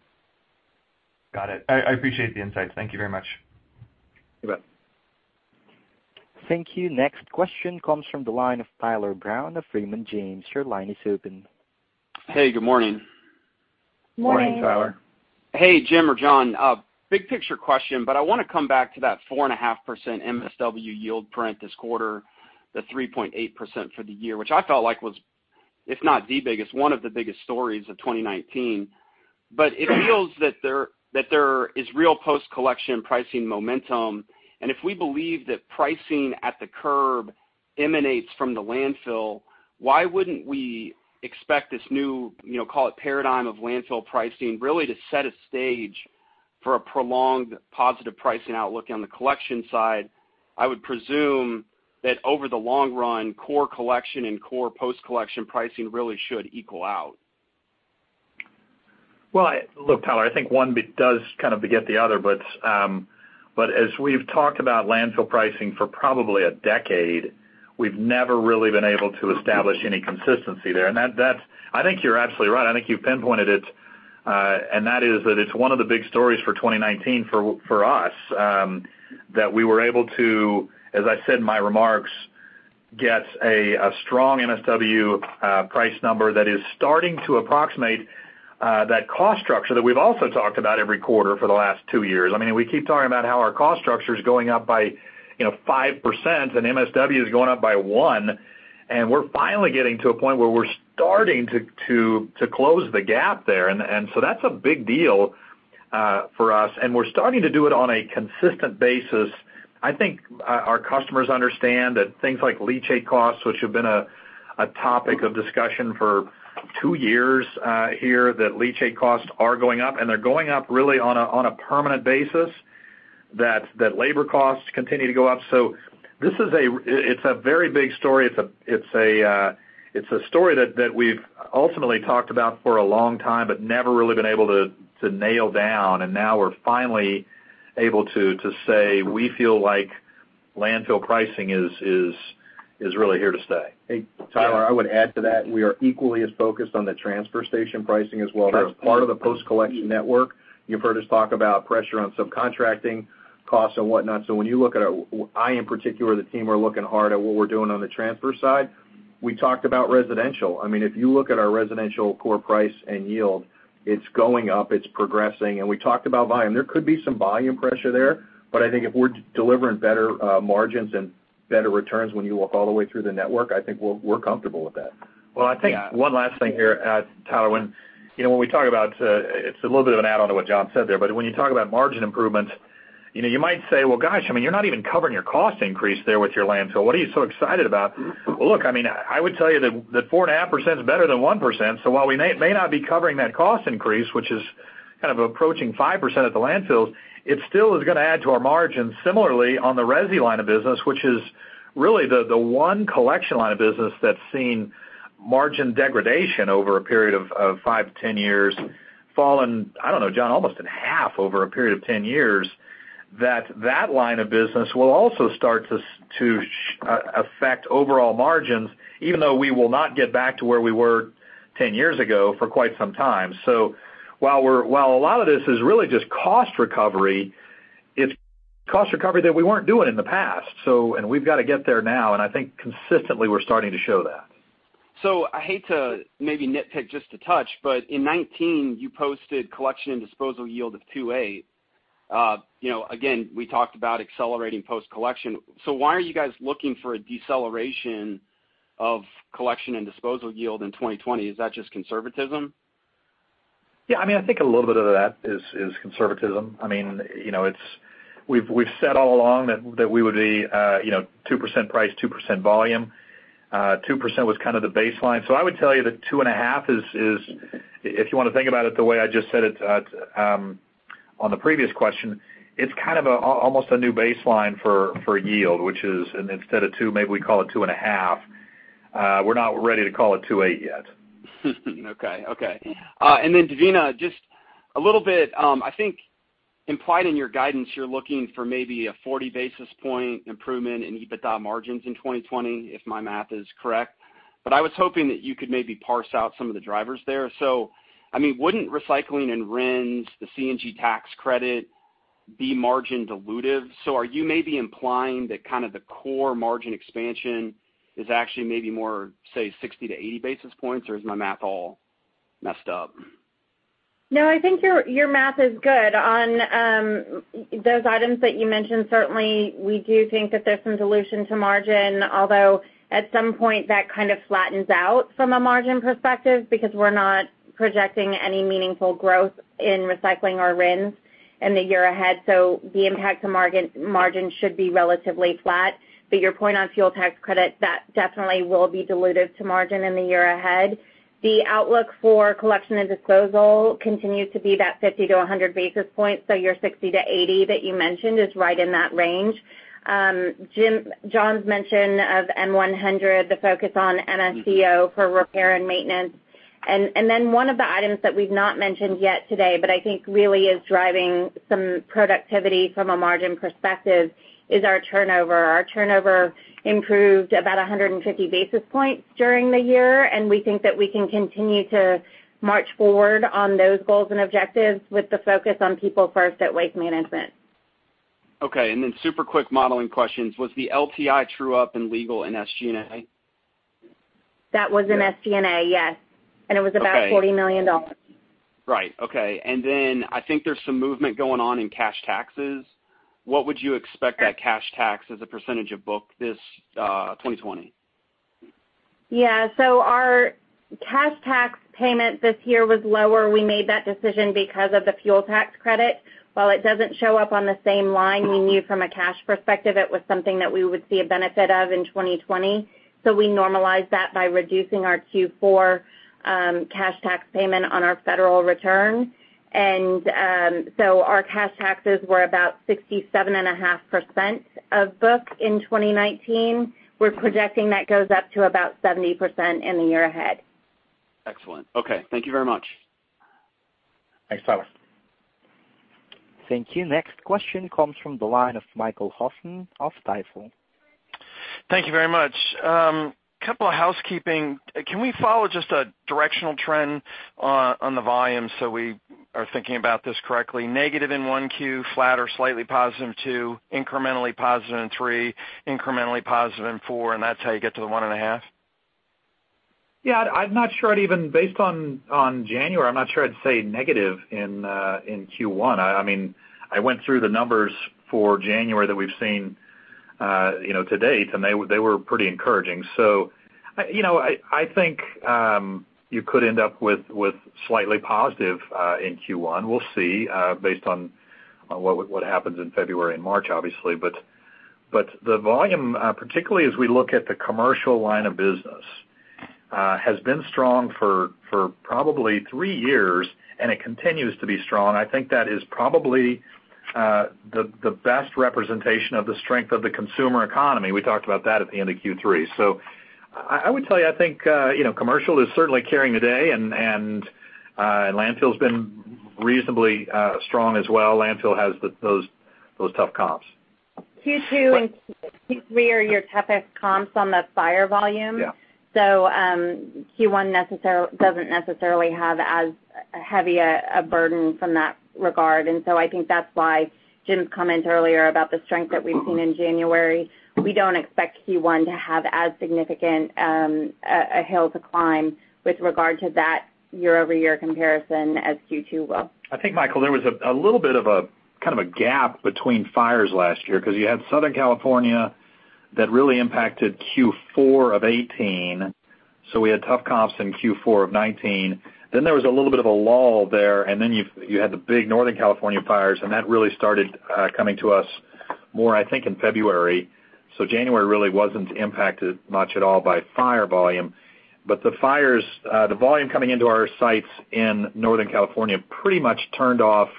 Got it. I appreciate the insights. Thank you very much. You bet. Thank you. Next question comes from the line of Tyler Brown of Raymond James. Your line is open. Hey, good morning. Morning. Morning, Tyler. Hey, Jim or John, big picture question, but I want to come back to that 4.5% MSW yield print this quarter, the 3.8% for the year, which I felt like was, if not the biggest, one of the biggest stories of 2019. It feels that there is real post-collection pricing momentum, and if we believe that pricing at the curb emanates from the landfill, why wouldn't we expect this new call it paradigm of landfill pricing, really to set a stage for a prolonged positive pricing outlook on the collection side? I would presume that over the long run, core collection and core post-collection pricing really should equal out. Look, Tyler, I think one does kind of beget the other, but as we've talked about landfill pricing for probably a decade, we've never really been able to establish any consistency there. I think you're absolutely right. I think you've pinpointed it, and that is that it's one of the big stories for 2019 for us, that we were able to, as I said in my remarks, get a strong MSW price number that is starting to approximate that cost structure that we've also talked about every quarter for the last two years. We keep talking about how our cost structure is going up by 5%, and MSW is going up by one. We're finally getting to a point where we're starting to close the gap there. That's a big deal for us, and we're starting to do it on a consistent basis. I think our customers understand that things like leachate costs, which have been a topic of discussion for two years here, that leachate costs are going up, and they're going up really on a permanent basis. Labor costs continue to go up. It's a very big story. It's a story that we've ultimately talked about for a long time but never really been able to nail down. Now we're finally able to say, we feel like landfill pricing is really here to stay. Hey, Tyler, I would add to that, we are equally as focused on the transfer station pricing as well. They're a part of the post-collection network. You've heard us talk about pressure on subcontracting costs and whatnot. When you look at our IRG, in particular, the team, are looking hard at what we're doing on the transfer side. We talked about residential. If you look at our residential core price and yield, it's going up, it's progressing. We talked about volume. there could be some volume pressure there, I think if we're delivering better margins and better returns when you look all the way through the network, I think, we're comfortable with that. I think one last thing here, Tyler. When we talk about, it's a little bit of an add-on to what John said there, but when you talk about margin improvements, you might say, well, gosh, you're not even covering your cost increase there with your landfill. What are you so excited about? Look, I would tell you that 4.5% is better than 1%. While we may not be covering that cost increase, which is kind of approaching 5% at the landfills, it still is going to add to our margins similarly on the resi line of business, which is really the one collection line of business that's seen margin degradation over a period of 5-10 years. Fallen, I don't know, John, almost in half over a period of 10 years. That line of business will also start to affect overall margins, even though we will not get back to where we were 10 years ago for quite some time. While a lot of this is really just cost recovery, it's cost recovery that we weren't doing in the past. We've got to get there now, and I think consistently, we're starting to show that. I hate to maybe nitpick just a touch, in 2019, you posted collection and disposal yield of 2.8%. Again, we talked about accelerating post-collection. Why are you guys looking for a deceleration of collection and disposal yield in 2020? Is that just conservatism? Yeah, I think a little bit of that is conservatism. We've said all along that we would be 2% price, 2% volume. 2% was kind of the baseline. I would tell you that 2.5% is, if you want to think about it the way I just said it on the previous question, it's kind of almost a new baseline for yield, which is instead of 2%, maybe we call it 2.5%. We're not ready to call it 2.8% yet. Then Devina, just a little bit, I think implied in your guidance, you're looking for maybe a 40 basis point improvement in EBITDA margins in 2020, if my math is correct. I was hoping that you could maybe parse out some of the drivers there. Wouldn't recycling and RINs, the CNG tax credit, be margin dilutive? Are you maybe implying that kind of the core margin expansion is actually maybe more, say 60-80 basis points, or is my math all messed up? No, I think your math is good. On those items that you mentioned, certainly, we do think that there's some dilution to margin, although at some point, that kind of flattens out from a margin perspective because we're not projecting any meaningful growth in recycling our RINs in the year ahead. The impact to margin should be relatively flat. Your point on fuel tax credit, that definitely will be dilutive to margin in the year ahead. The outlook for collection and disposal continues to be that 50-100 basis points. Your 60-80 basis points that you mentioned is right in that range. John's mention of M100, the focus on MSDO for repair and maintenance. Then one of the items that we've not mentioned yet today, but I think really is driving some productivity from a margin perspective is our turnover. Our turnover improved about 150 basis points during the year. We think that we can continue to march forward on those goals and objectives with the focus on People First at Waste Management. Okay, super quick modeling questions. Was the LTI true-up in legal and SG&A? That was in SG&A, yes. It was about $40 million. Right. Okay. I think there's some movement going on in cash taxes. What would you expect that cash tax as a percentage of book this 2020? Our cash tax payment this year was lower. We made that decision because of the fuel tax credit. While it doesn't show up on the same line, we knew from a cash perspective it was something that we would see a benefit of in 2020. We normalized that by reducing our Q4 cash tax payment on our federal return. Our cash taxes were about 67.5% of book in 2019. We're projecting that goes up to about 70% in the year ahead. Excellent. Okay. Thank you very much. Thanks, Tyler. Thank you. Next question comes from the line of Michael Hoffman of Stifel. Thank you very much. Couple of housekeeping. Can we follow just a directional trend on the volume so we are thinking about this correctly? Negative in 1Q, flat or slightly positive in two, incrementally positive in three, incrementally positive in four, and that's how you get to the 1.5%? Yeah, I'm not sure I'd even, based on January, I'm not sure I'd say negative in Q1. I went through the numbers for January that we've seen to date, and they were pretty encouraging. I think you could end up with slightly positive in Q1. We'll see based on what happens in February and March, obviously. The volume, particularly as we look at the commercial line of business, has been strong for probably three years, and it continues to be strong. I think that is probably the best representation of the strength of the consumer economy. We talked about that at the end of Q3. I would tell you, I think commercial is certainly carrying the day, and landfill's been reasonably strong as well. Landfill has those tough comps. Q2 and Q3 are your toughest comps on the core volume. Yeah. Q1 doesn't necessarily have as heavy a burden from that regard. I think that's why Jim's comment earlier about the strength that we've seen in January, we don't expect Q1 to have as significant a hill to climb with regard to that year-over-year comparison as Q2 will. I think, Michael, there was a little bit of a kind of a gap between fires last year because you had Southern California that really impacted Q4 of 2018. We had tough comps in Q4 of 2019. There was a little bit of a lull there. You had the big Northern California fires, and that really started coming to us more, I think, in February. January really wasn't impacted much at all by fire volume. The volume coming into our sites in Northern California pretty much turned off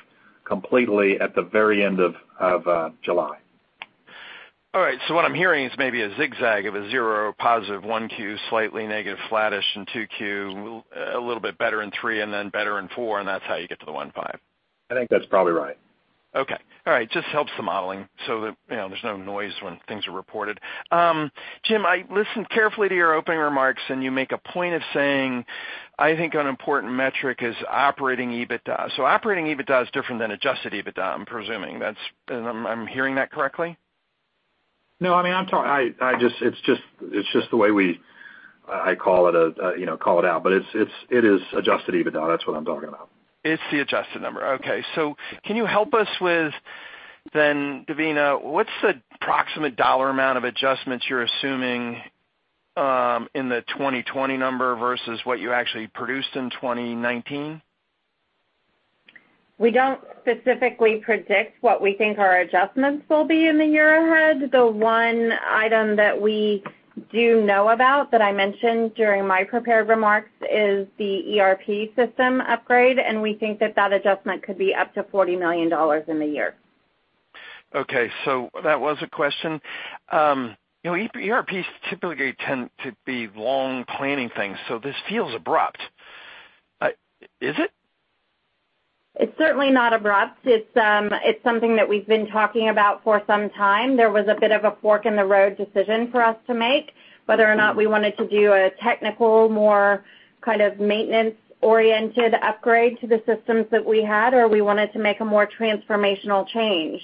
completely at the very end of July. All right. what I'm hearing is maybe a zigzag of a zero positive 1Q, slightly negative, flattish in 2Q, a little bit better in three and then better in four, and that's how you get to the 1.5%. I think that's probably right. Okay. All right. Just helps the modeling so that there's no noise when things are reported. Jim, I listened carefully to your opening remarks, and you make a point of saying, I think an important metric is operating EBITDA. Operating EBITDA is different than adjusted EBITDA, I'm presuming. I'm hearing that correctly? No, it's just the way I call it out. It is adjusted EBITDA. That's what I'm talking about. It's the adjusted number. Okay. Can you help us with then, Devina, what's the approximate dollar amount of adjustments you're assuming in the 2020 number versus what you actually produced in 2019? We don't specifically predict what we think our adjustments will be in the year ahead. The one item that we do know about, that I mentioned during my prepared remarks, is the ERP system upgrade. We think that that adjustment could be up to $40 million in the year. Okay. That was a question. ERPs typically tend to be long planning things, so this feels abrupt. Is it? It's certainly not abrupt. It's something that we've been talking about for some time. There was a bit of a fork-in-the-road decision for us to make, whether or not we wanted to do a technical, more kind of maintenance-oriented upgrade to the systems that we had, or we wanted to make a more transformational change.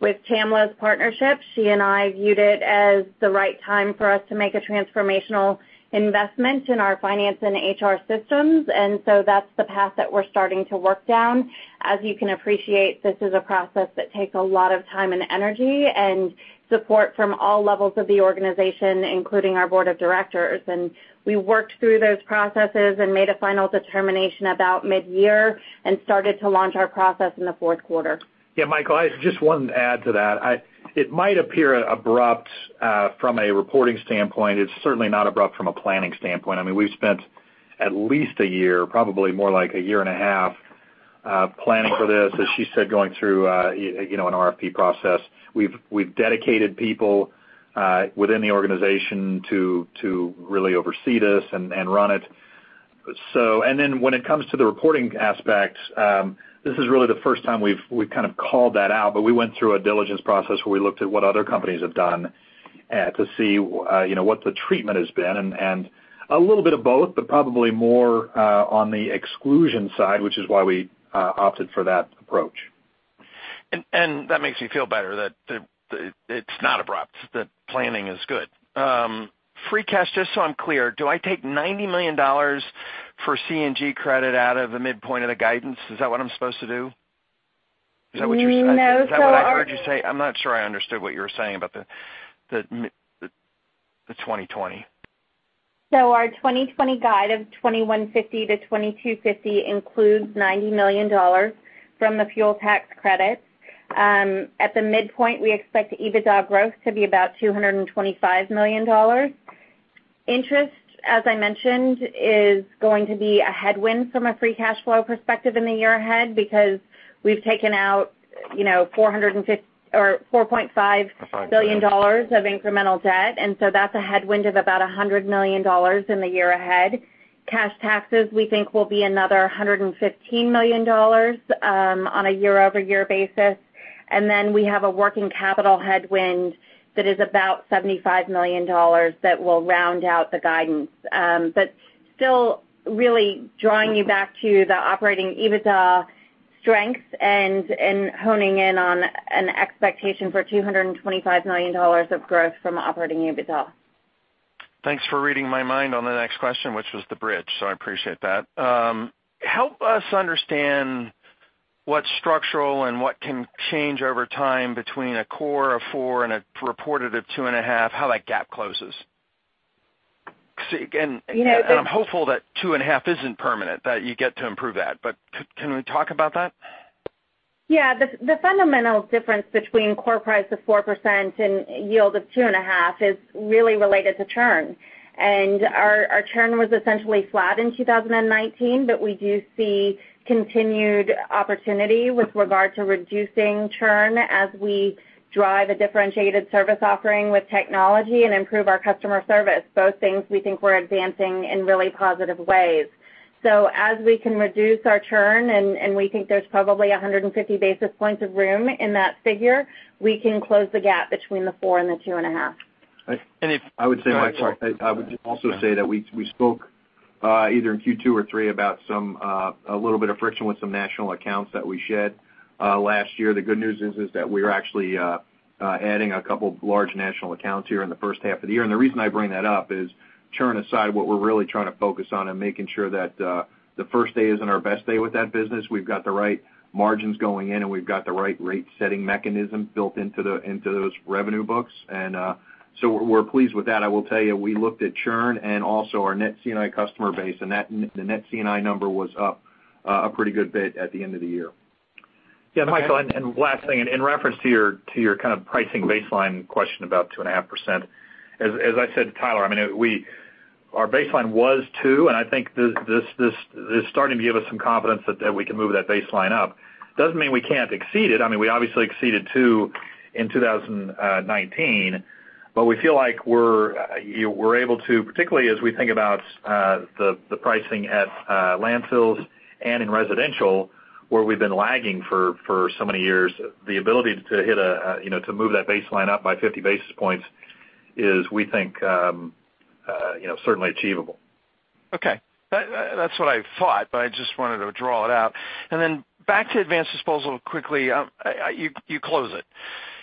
With Tara's partnership, she and I viewed it as the right time for us to make a transformational investment in our finance and HR systems, that's the path that we're starting to work down. As you can appreciate, this is a process that takes a lot of time and energy and support from all levels of the organization, including our board of directors. We worked through those processes and made a final determination about mid-year and started to launch our process in the fourth quarter. Yeah, Michael, I just wanted to add to that. It might appear abrupt from a reporting standpoint. It's certainly not abrupt from a planning standpoint. We've spent at least a year, probably more like a year and a half, planning for this, as she said, going through an RFP process. We've dedicated people within the organization to really oversee this and run it. When it comes to the reporting aspects, this is really the first time we've kind of called that out, but we went through a diligence process where we looked at what other companies have done to see what the treatment has been, a little bit of both, but probably more on the exclusion side, which is why we opted for that approach. That makes me feel better that it's not abrupt, that planning is good. Free cash, just so I'm clear, do I take $90 million for CNG credit out of the midpoint of the guidance? Is that what I'm supposed to do? Is that what I heard you say? I'm not sure I understood what you were saying about the 2020. Our 2020 guide of $2,150-$2,250 includes $90 million from the fuel tax credits. At the midpoint, we expect EBITDA growth to be about $225 million. Interest, as I mentioned, is going to be a headwind from a free cash flow perspective in the year ahead because we've taken out $4.5 billion of incremental debt, that's a headwind of about $100 million in the year ahead. Cash taxes, we think, will be another $115 million on a year-over-year basis. We have a working capital headwind that is about $75 million that will round out the guidance. Still really drawing you back to the operating EBITDA strengths and honing in on an expectation for $225 million of growth from operating EBITDA. Thanks for reading my mind on the next question, which was the bridge, so I appreciate that. Help us understand what's structural and what can change over time between a core of 4% and a reported of 2.5%, how that gap closes. And I'm hopeful that 2.5% isn't permanent, that you get to improve that. But can we talk about that? The fundamental difference between core price of 4% and yield of 2.5% is really related to churn. Our churn was essentially flat in 2019, but we do see continued opportunity with regard to reducing churn as we drive a differentiated service offering with technology and improve our customer service. Both things we think we're advancing in really positive ways. As we can reduce our churn, and we think there's probably 150 basis points of room in that figure, we can close the gap between the 4% and the 2.5%. I would just also say that we spoke, either in Q2 or Q3, about a little bit of friction with some national accounts that we shed last year. The good news is that we're actually adding a couple large national accounts here in the first half of the year. The reason I bring that up is, churn aside, what we're really trying to focus on and making sure that the first day isn't our best day with that business. We've got the right margins going in, we've got the right rate-setting mechanism built into those revenue books. We're pleased with that. I will tell you, we looked at churn and also our net C&I customer base, the net C&I number was up a pretty good bit at the end of the year. Yeah, Michael, and last thing, in reference to your kind of pricing baseline question about 2.5%, as I said to Tyler, our baseline was 2%, and I think this is starting to give us some confidence that we can move that baseline up. Doesn't mean we can't exceed it. We obviously exceeded 2% in 2019, but we feel like we're able to, particularly as we think about the pricing at landfills and in residential, where we've been lagging for so many years, the ability to move that baseline up by 50 basis points is, we think, certainly achievable. Okay. That's what I thought, but I just wanted to draw it out. Back to Advanced Disposal quickly. You close it.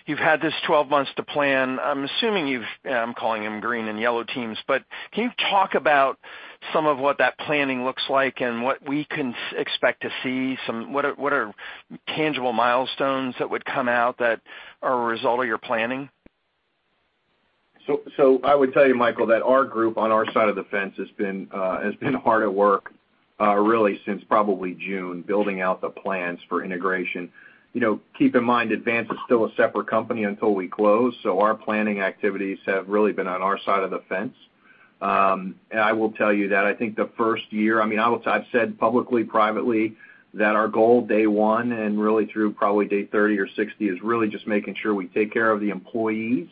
You've had this 12 months to plan. I'm assuming I'm calling them green and yellow teams, can you talk about some of what that planning looks like and what we can expect to see? What are tangible milestones that would come out that are a result of your planning? I would tell you, Michael, that our group, on our side of the fence, has been hard at work really since probably June, building out the plans for integration. Keep in mind, Advanced is still a separate company until we close, so our planning activities have really been on our side of the fence. I will tell you that I think the first year, I've said publicly, privately, that our goal day one and really through probably day 30 or 60, is really just making sure we take care of the employees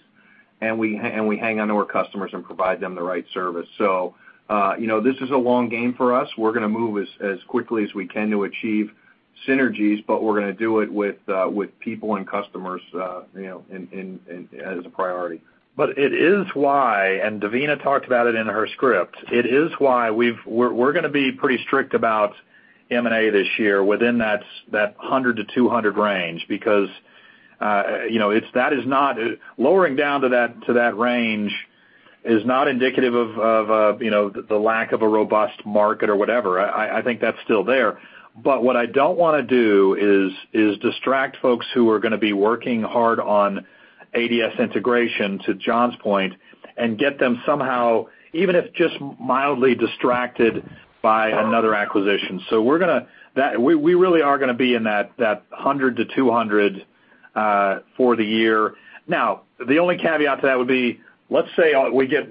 and we hang on to our customers and provide them the right service. This is a long game for us. We're going to move as quickly as we can to achieve synergies, but we're going to do it with people and customers as a priority. It is why, and Devina talked about it in her script. It is why we're going to be pretty strict about M&A this year within that $100-$200 range, because lowering down to that range is not indicative of the lack of a robust market or whatever. I think that's still there. What I don't want to do is distract folks who are going to be working hard on ADS integration, to John's point, and get them somehow, even if just mildly distracted by another acquisition. We really are going to be in that $100-$200 for the year. The only caveat to that would be, let's say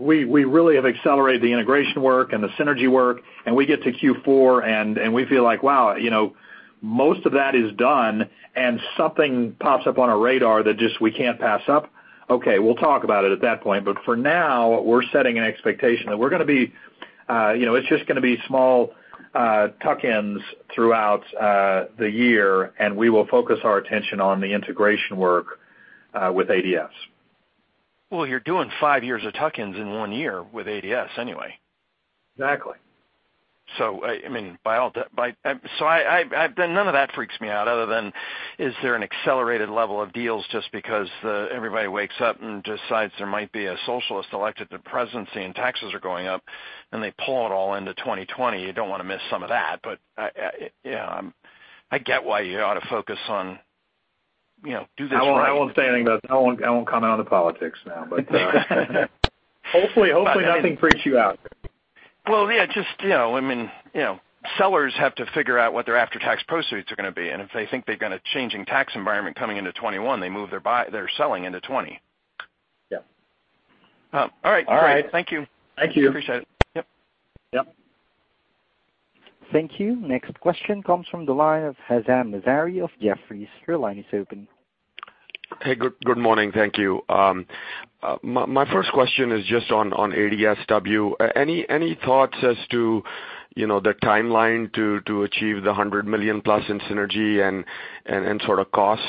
we really have accelerated the integration work and the synergy work, and we get to Q4, and we feel like, wow, most of that is done, and something pops up on our radar that just we can't pass up. We'll talk about it at that point. For now, we're setting an expectation that it's just going to be small tuck-ins throughout the year, and we will focus our attention on the integration work with ADS. Well, you're doing five years of tuck-ins in one year with ADS anyway. Exactly. None of that freaks me out other than is there an accelerated level of deals just because everybody wakes up and decides there might be a socialist elected to presidency and taxes are going up, and they pull it all into 2020. You don't want to miss some of that. I get why you ought to focus on do this right. I won't say anything about that. I won't comment on the politics now. Hopefully nothing freaks you out. Well, yeah, sellers have to figure out what their after-tax proceeds are going to be, and if they think they've got a changing tax environment coming into 2021, they move their selling into 2020. Yeah. All right. All right. Thank you. Thank you. Appreciate it. Yep. Yep. Thank you. Next question comes from the line of Hamzah Mazari of Jefferies. Your line is open. Hey, good morning. Thank you. My first question is just on ADSW. Any thoughts as to the timeline to achieve the $100 million+ in synergy and costs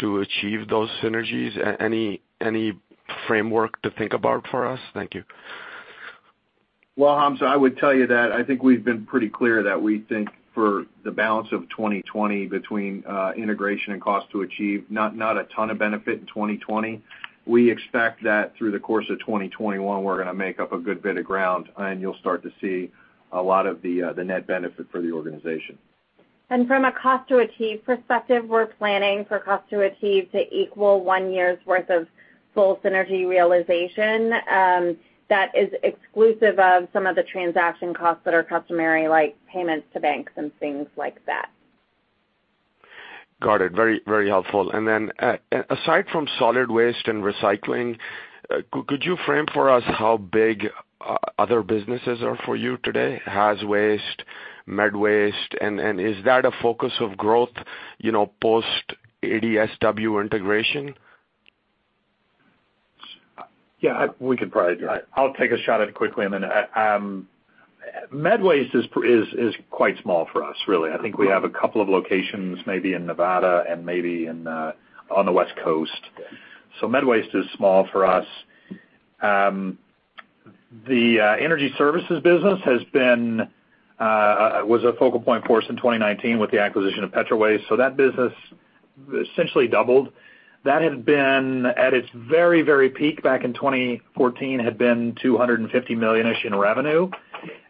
to achieve those synergies, any framework to think about for us? Thank you. Hamzah, I would tell you that I think we've been pretty clear that we think for the balance of 2020 between integration and cost to achieve, not a ton of benefit in 2020. We expect that through the course of 2021, we're going to make up a good bit of ground, and you'll start to see a lot of the net benefit for the organization. From a cost to achieve perspective, we're planning for cost to achieve to equal one year's worth of full synergy realization. That is exclusive of some of the transaction costs that are customary, like payments to banks and things like that. Got it. Very helpful. Aside from solid waste and recycling, could you frame for us how big other businesses are for you today? Haz waste, med waste, and is that a focus of growth post ADSW integration? I'll take a shot at it quickly. Med waste is quite small for us, really. I think we have a couple of locations, maybe in Nevada and maybe on the West Coast. Med waste is small for us. The energy services business was a focal point for us in 2019 with the acquisition of Petro Waste. That business essentially doubled. That had been at its very, very peak back in 2014, had been $250 million-ish in revenue.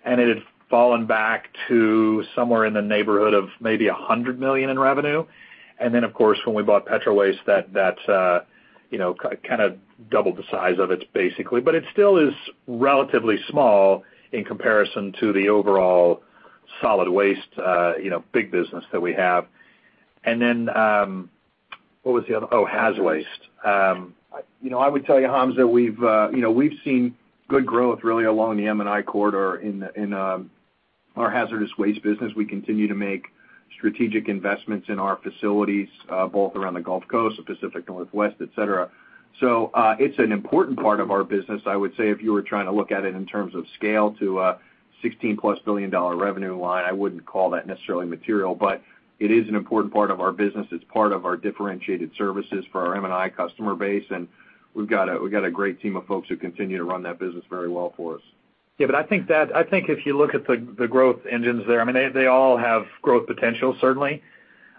It had fallen back to somewhere in the neighborhood of maybe $100 million in revenue. Of course, when we bought Petro Waste that kind of doubled the size of it, basically. It still is relatively small in comparison to the overall solid waste, big business that we have. What was the other one? Oh, haz waste. I would tell you, Hamzah, we've seen good growth really along the M&I corridor in our hazardous waste business. We continue to make strategic investments in our facilities, both around the Gulf Coast, the Pacific Northwest, et cetera. It's an important part of our business. I would say if you were trying to look at it in terms of scale to a $16 billion+ revenue line, I wouldn't call that necessarily material, but it is an important part of our business. It's part of our differentiated services for our M&I customer base, and we've got a great team of folks who continue to run that business very well for us. Yeah, I think if you look at the growth engines there, they all have growth potential, certainly.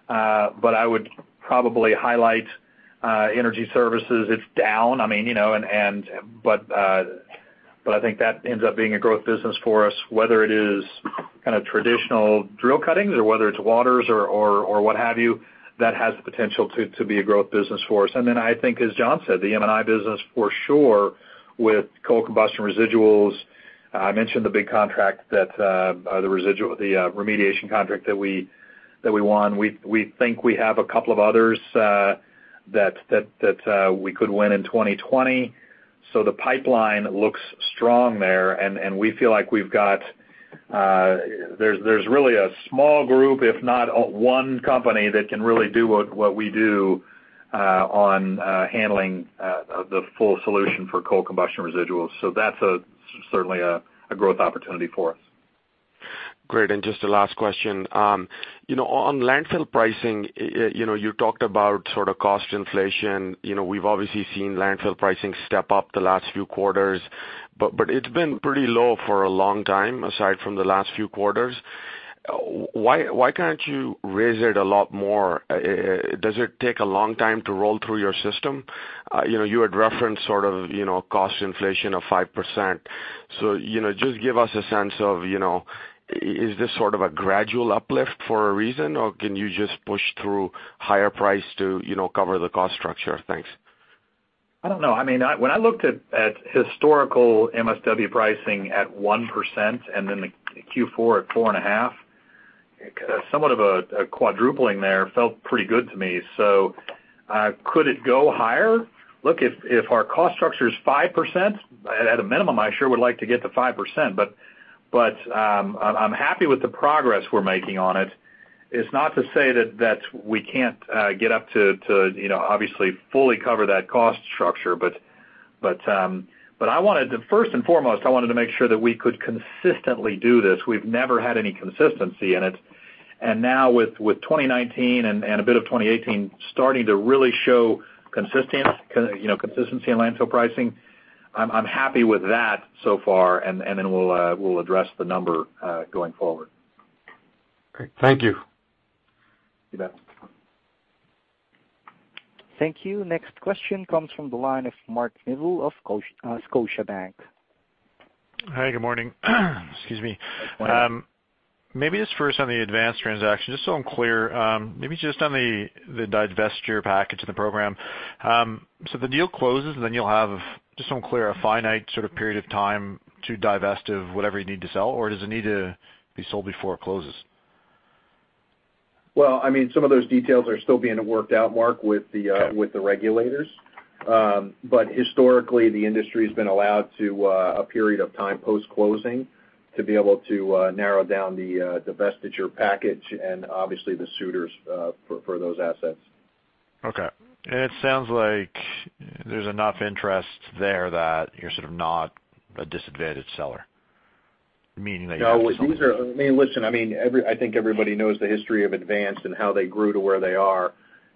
I would probably highlight energy services. It's down, I think that ends up being a growth business for us, whether it is kind of traditional drill cuttings or whether it's waters or what have you, that has the potential to be a growth business for us. I think as John said, the M&I business for sure with coal combustion residuals. I mentioned the big remediation contract that we won. We think we have a couple of others that we could win in 2020. The pipeline looks strong there, and we feel like there's really a small group, if not one company, that can really do what we do on handling the full solution for coal combustion residuals. That's certainly a growth opportunity for us. Great. Just a last question. On landfill pricing, you talked about cost inflation. We've obviously seen landfill pricing step up the last few quarters, but it's been pretty low for a long time, aside from the last few quarters. Why can't you raise it a lot more? Does it take a long time to roll through your system? You had referenced cost inflation of 5%. Just give us a sense of, is this sort of a gradual uplift for a reason, or can you just push through higher price to cover the cost structure? Thanks. I don't know. When I looked at historical MSW pricing at 1% and then the Q4 at 4.5%, somewhat of a quadrupling there felt pretty good to me. Could it go higher? Look, if our cost structure is 5%, at a minimum, I sure would like to get to 5%, but I'm happy with the progress we're making on it. It's not to say that we can't get up to obviously fully cover that cost structure, but first and foremost, I wanted to make sure that we could consistently do this. We've never had any consistency in it. Now with 2019 and a bit of 2018 starting to really show consistency in landfill pricing, I'm happy with that so far, then we'll address the number going forward. Great. Thank you. You bet. Thank you. Next question comes from the line of Mark Neville of Scotiabank. Hi, good morning. Excuse me. Maybe just first on the Advanced transaction, just so I'm clear, maybe just on the divestiture package in the program. The deal closes, and then you'll have, just so I'm clear, a finite period of time to divest of whatever you need to sell, or does it need to be sold before it closes? Well, some of those details are still being worked out, Mark, with the regulators. Historically, the industry has been allowed a period of time post-closing to be able to narrow down the divestiture package and obviously the suitors for those assets. Okay. It sounds like there's enough interest there that you're sort of not a disadvantaged seller, meaning that. No, these are. Listen, I think everybody knows the history of Advanced and how they grew to where they are.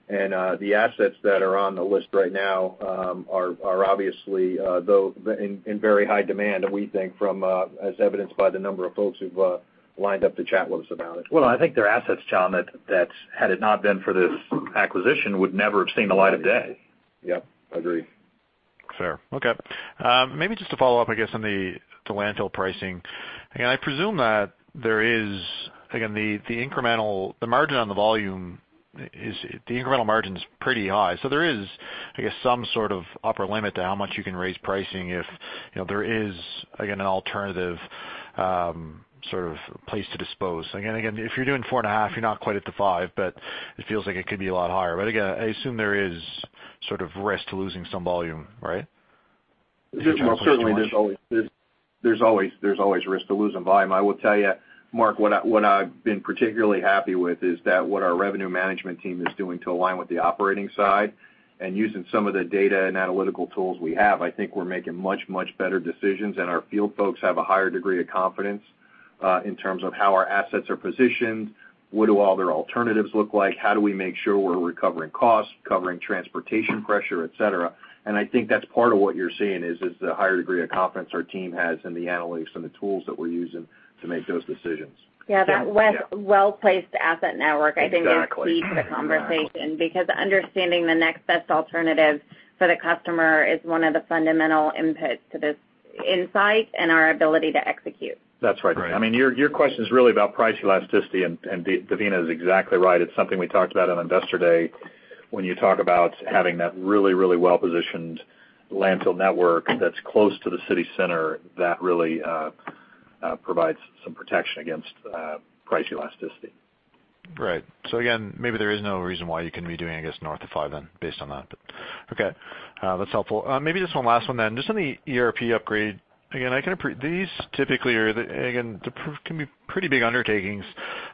The assets that are on the list right now are obviously, in very high demand, we think, as evidenced by the number of folks who've lined up to chat with us about it. Well, I think their assets, John, that had it not been for this acquisition, would never have seen the light of day. Yep, agreed. Fair. Okay. Maybe just to follow up, I guess, on the landfill pricing. Again, I presume that there is, again, the margin on the volume, the incremental margin's pretty high. There is, I guess, some sort of upper limit to how much you can raise pricing if there is, again, an alternative place to dispose. Again, if you're doing 4.5%, you're not quite at the 5%, but it feels like it could be a lot higher. Again, I assume there is sort of risk to losing some volume, right? Well, certainly there's always risk to losing volume. I will tell you, Mark, what I've been particularly happy with is that what our revenue management team is doing to align with the operating side and using some of the data and analytical tools we have. I think we're making much, much better decisions, and our field folks have a higher degree of confidence, in terms of how our assets are positioned, what do all their alternatives look like, how do we make sure we're recovering costs, covering transportation pressure, et cetera. I think that's part of what you're seeing, is the higher degree of confidence our team has in the analytics and the tools that we're using to make those decisions. Yeah, that well-placed asset network, I think, is key to the conversation. Exactly. Understanding the next best alternative for the customer is one of the fundamental inputs to this insight and our ability to execute. That's right. Your question's really about price elasticity, and Devina is exactly right. It's something we talked about on Investor Day. When you talk about having that really, really well-positioned landfill network that's close to the city center, that really provides some protection against price elasticity. Right. Again, maybe there is no reason why you couldn't be doing, I guess, north of five then, based on that. Okay. That's helpful. Maybe just one last one then. Just on the ERP upgrade. Again, these typically can be pretty big undertakings.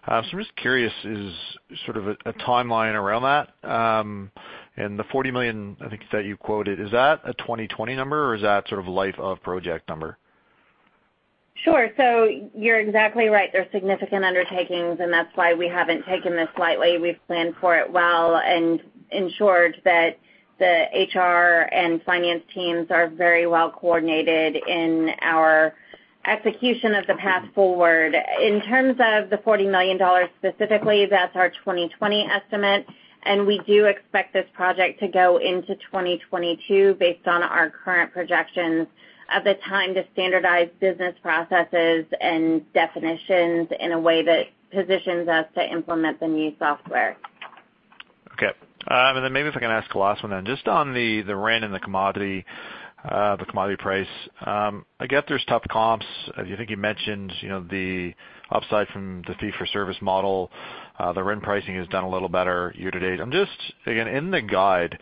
I'm just curious, is sort of a timeline around that? The $40 million, I think, that you quoted, is that a 2020 number, or is that sort of life of project number? Sure. You're exactly right. They're significant undertakings, and that's why we haven't taken this lightly. We've planned for it well and ensured that the HR and finance teams are very well coordinated in our execution of the path forward. In terms of the $40 million specifically, that's our 2020 estimate, and we do expect this project to go into 2022 based on our current projections of the time to standardize business processes and definitions in a way that positions us to implement the new software. Okay. Maybe if I can ask the last one then. Just on the RIN and the commodity price. I get there's tough comps. I think you mentioned the upside from the fee-for-service model. The RIN pricing has done a little better year to date. I'm just, again, in the guide,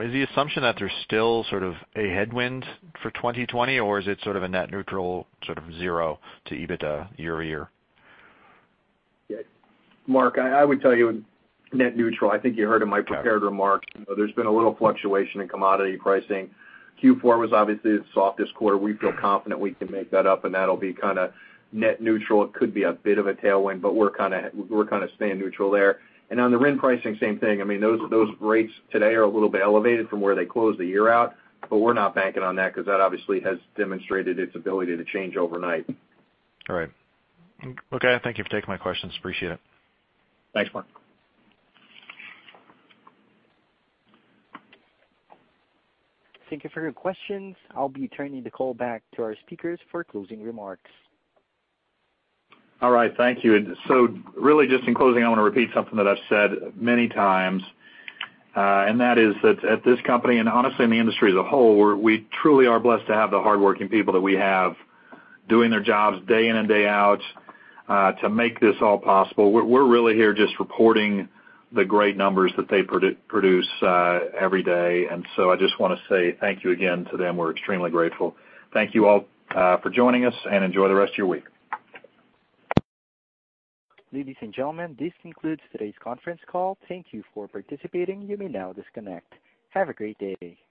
is the assumption that there's still sort of a headwind for 2020, or is it sort of a net neutral, sort of zero to EBITDA year-over-year? Mark, I would tell you net neutral. I think you heard in my prepared remarks, there's been a little fluctuation in commodity pricing. Q4 was obviously the softest quarter. We feel confident we can make that up, and that'll be kind of net neutral. It could be a bit of a tailwind, but we're kind of staying neutral there. On the RIN pricing, same thing. Those rates today are a little bit elevated from where they closed the year out, but we're not banking on that because that obviously has demonstrated its ability to change overnight. All right. Okay. Thank you for taking my questions. Appreciate it. Thanks, Mark. Thank you for your questions. I'll be turning the call back to our speakers for closing remarks. All right. Thank you. Really just in closing, I want to repeat something that I've said many times. That is that at this company, and honestly in the industry as a whole, we truly are blessed to have the hardworking people that we have doing their jobs day in and day out, to make this all possible. We're really here just reporting the great numbers that they produce every day. I just want to say thank you again to them. We're extremely grateful. Thank you all for joining us, and enjoy the rest of your week. Ladies and gentlemen, this concludes today's conference call. Thank you for participating. You may now disconnect. Have a great day.